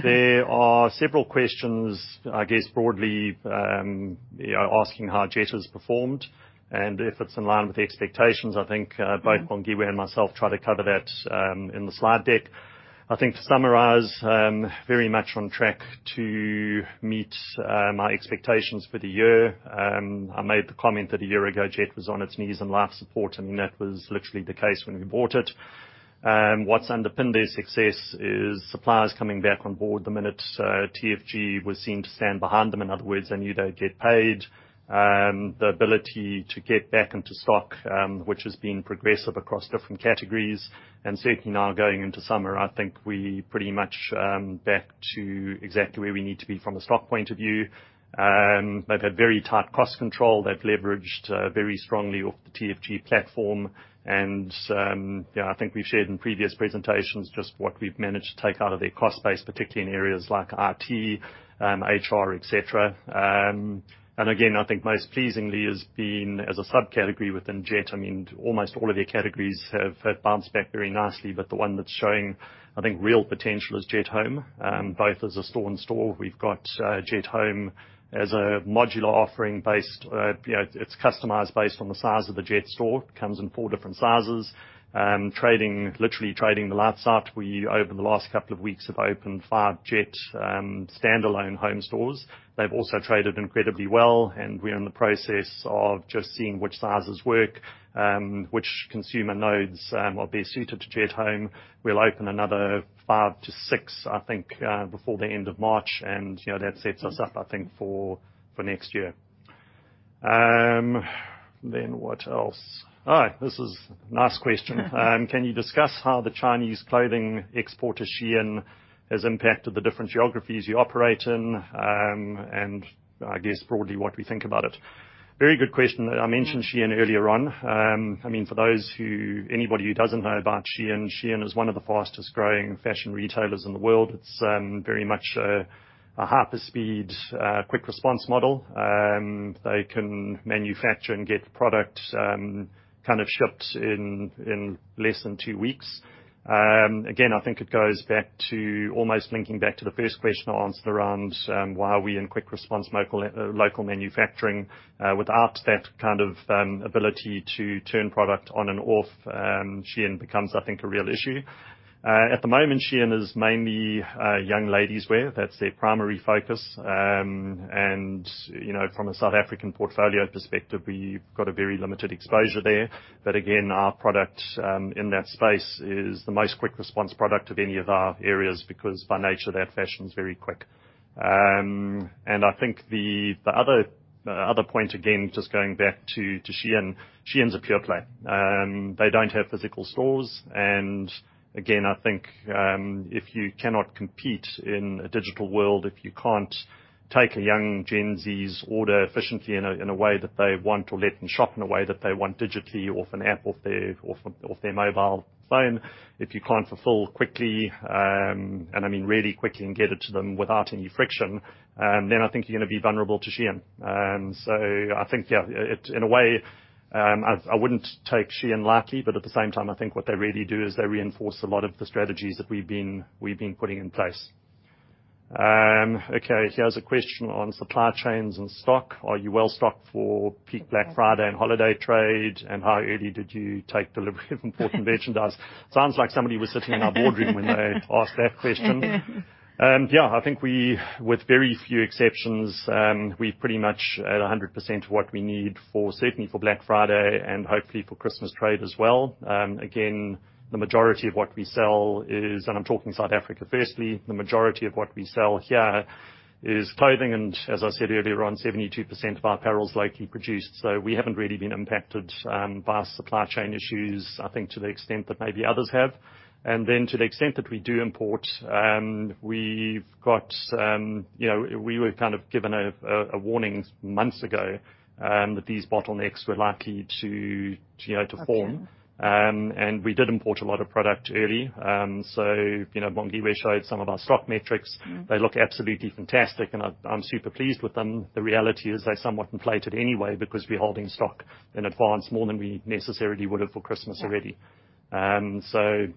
There are several questions, I guess broadly, asking how Jet has performed and if it's in line with the expectations. I think both Bongiwe and myself tried to cover that in the slide deck. I think to summarize, very much on track to meet my expectations for the year. I made the comment that a year ago, Jet was on its knees and life support. I mean, that was literally the case when we bought it. What's underpinned their success is suppliers coming back on board the minute TFG was seen to stand behind them. In other words, they knew they'd get paid. The ability to get back into stock, which has been progressive across different categories. Certainly now going into summer, I think we're pretty much back to exactly where we need to be from a stock point of view. They've had very tight cost control. They've leveraged very strongly off the TFG platform. Yeah, I think we've shared in previous presentations just what we've managed to take out of their cost base, particularly in areas like IT, HR, et cetera. Again, I think most pleasingly has been as a subcategory within Jet. I mean, almost all of their categories have bounced back very nicely, but the one that's showing, I think, real potential is Jet Home. Both as a store-in-store, we've got Jet Home as a modular offering based, you know, it's customized based on the size of the Jet store. Comes in four different sizes. Trading, literally trading the lights out. We over the last couple of weeks have opened 5 Jet standalone home stores. They've also traded incredibly well, and we're in the process of just seeing which sizes work, which consumer nodes will be suited to Jet Home. We'll open another 5-6, I think, before the end of March. You know, that sets us up, I think, for next year. Then what else? Oh, this is nice question. Can you discuss how the Chinese clothing exporter, SHEIN, has impacted the different geographies you operate in? And I guess broadly what we think about it. Very good question. I mentioned SHEIN earlier on. I mean, for those who... Anybody who doesn't know about SHEIN is one of the fastest-growing fashion retailers in the world. It's very much a hyper-speed quick response model. They can manufacture and get product kind of shipped in less than two weeks. Again, I think it goes back to almost linking back to the first question I answered around why we are in quick response local manufacturing. Without that kind of ability to turn product on and off, SHEIN becomes, I think, a real issue. At the moment, SHEIN is mainly young ladies wear. That's their primary focus. You know, from a South African portfolio perspective, we've got a very limited exposure there. Again, our product in that space is the most quick response product of any of our areas because by nature, that fashion is very quick. I think the other point, again, just going back to SHEIN's a pure play. They don't have physical stores. Again, I think, if you cannot compete in a digital world, if you can't take a young Gen Z's order efficiently in a way that they want or let them shop in a way that they want digitally or off an app off their mobile phone, if you can't fulfill quickly, and I mean really quickly and get it to them without any friction, then I think you're gonna be vulnerable to SHEIN. I think, yeah, in a way, I wouldn't take SHEIN lightly, but at the same time, I think what they really do is they reinforce a lot of the strategies that we've been putting in place. Okay, here's a question on supply chains and stock. Are you well-stocked for peak Black Friday and holiday trade, and how early did you take delivery of important merchandise? Sounds like somebody was sitting in our boardroom when they asked that question. Yeah, I think we, with very few exceptions, we're pretty much at 100% of what we need for certainly for Black Friday and hopefully for Christmas trade as well. Again, the majority of what we sell is, and I'm talking South Africa, firstly, the majority of what we sell here is clothing, and as I said earlier, around 72% of our apparel is locally produced, so we haven't really been impacted by supply chain issues, I think to the extent that maybe others have. Then to the extent that we do import, we've got, you know, we were kind of given a warning months ago that these bottlenecks were likely to, you know, to form. Okay. We did import a lot of product early. You know, Bongiwe showed some of our stock metrics. Mm-hmm. They look absolutely fantastic, and I'm super pleased with them. The reality is they're somewhat inflated anyway because we're holding stock in advance more than we necessarily would have for Christmas already. Yeah.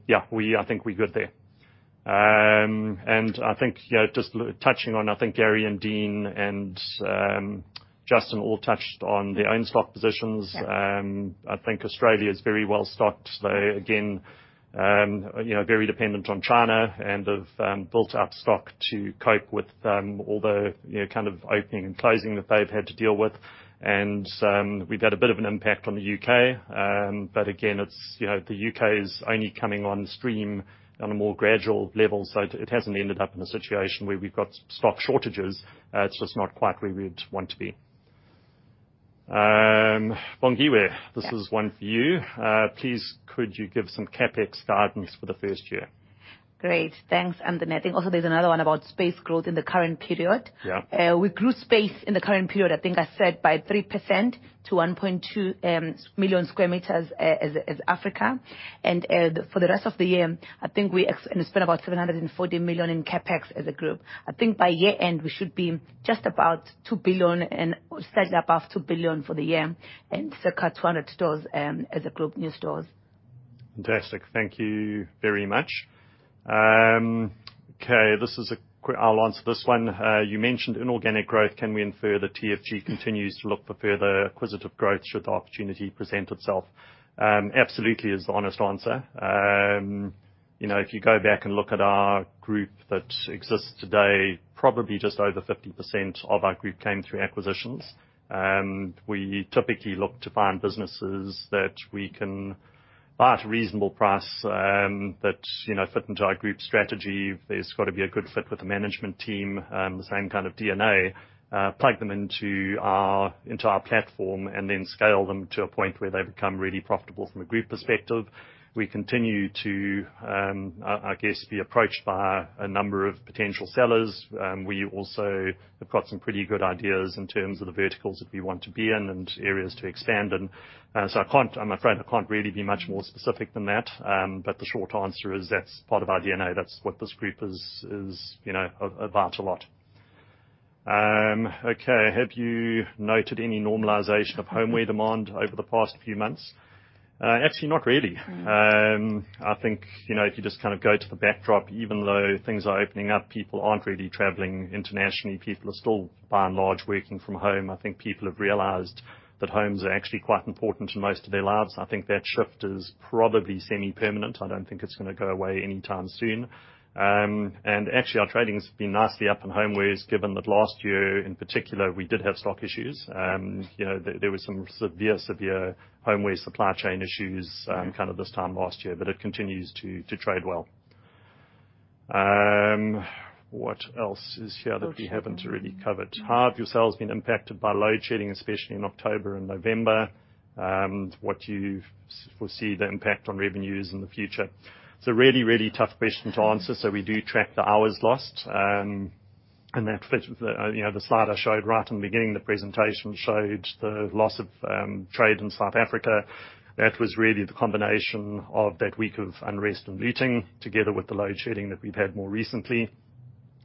Yeah, I think we're good there. I think, you know, just touching on, I think Gary and Dean and Justin all touched on their own stock positions. Yeah. I think Australia is very well stocked. They, again, you know, very dependent on China and have built up stock to cope with all the, you know, kind of opening and closing that they've had to deal with. We've had a bit of an impact on the UK, but again, it's, you know, the UK is only coming on stream on a more gradual level, so it hasn't ended up in a situation where we've got stock shortages. It's just not quite where we'd want to be. Bongiwe, this is one for you. Please could you give some CapEx guidance for the first year? Great. Thanks, Anthony. I think also there's another one about space growth in the current period. Yeah. We grew space in the current period, I think I said, by 3% to 1.2 million sq m in Africa. For the rest of the year, I think we spent about 740 million in CapEx as a group. I think by year-end, we should be just about 2 billion and slightly above 2 billion for the year and circa 200 stores as a group, new stores. Fantastic. Thank you very much. I'll answer this one. You mentioned inorganic growth. Can we infer that TFG continues to look for further acquisitive growth should the opportunity present itself? Absolutely is the honest answer. You know, if you go back and look at our group that exists today, probably just over 50% of our group came through acquisitions. We typically look to find businesses that we can buy at a reasonable price, that, you know, fit into our group strategy. There's got to be a good fit with the management team, the same kind of DNA, plug them into our platform, and then scale them to a point where they become really profitable from a group perspective. We continue to, I guess, be approached by a number of potential sellers. We also have got some pretty good ideas in terms of the verticals that we want to be in and areas to expand in. I'm afraid I can't really be much more specific than that. The short answer is that's part of our DNA. That's what this group is, you know, about a lot. Okay. Have you noted any normalization of homeware demand over the past few months? Actually, not really. Mm. I think, you know, if you just kind of go to the backdrop, even though things are opening up, people aren't really traveling internationally. People are still, by and large, working from home. I think people have realized that homes are actually quite important to most of their lives. I think that shift is probably semi-permanent. I don't think it's gonna go away anytime soon. Actually, our trading's been nicely up in homewares given that last year, in particular, we did have stock issues. You know, there were some severe homeware supply chain issues, kind of this time last year, but it continues to trade well. What else is here that we haven't really covered? How have your sales been impacted by load shedding, especially in October and November? What do you foresee the impact on revenues in the future? It's a really, really tough question to answer, so we do track the hours lost. That fits with the, you know, the slide I showed right in the beginning of the presentation showed the loss of trade in South Africa. That was really the combination of that week of unrest and looting together with the load shedding that we've had more recently.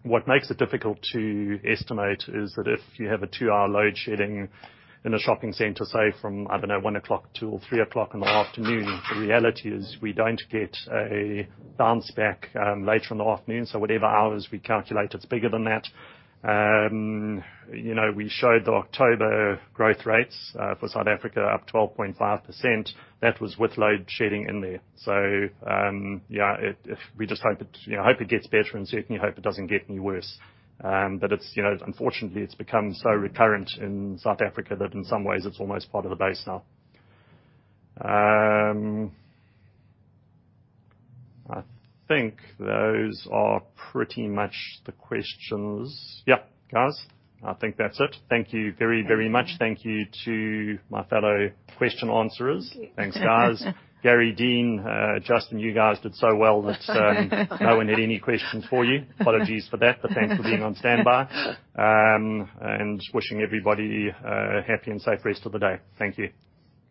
What makes it difficult to estimate is that if you have a 2-hour load shedding in a shopping center, say from, I don't know, 1:00 P.M. to 3:00 P.M. in the afternoon, the reality is we don't get a bounce back later in the afternoon, so whatever hours we calculate, it's bigger than that. You know, we showed the October growth rates for South Africa up 12.5%. That was with load shedding in there. Yeah, it... We just hope it gets better and certainly hope it doesn't get any worse. You know, unfortunately, it's become so recurrent in South Africa that in some ways it's almost part of the base now. I think those are pretty much the questions. Yeah, guys, I think that's it. Thank you very, very much. Thank you to my fellow question answerers. Yeah. Thanks, guys. Gary, Dean, Justin, you guys did so well that no one had any questions for you. Apologies for that, but thanks for being on standby. Wishing everybody a happy and safe rest of the day. Thank you.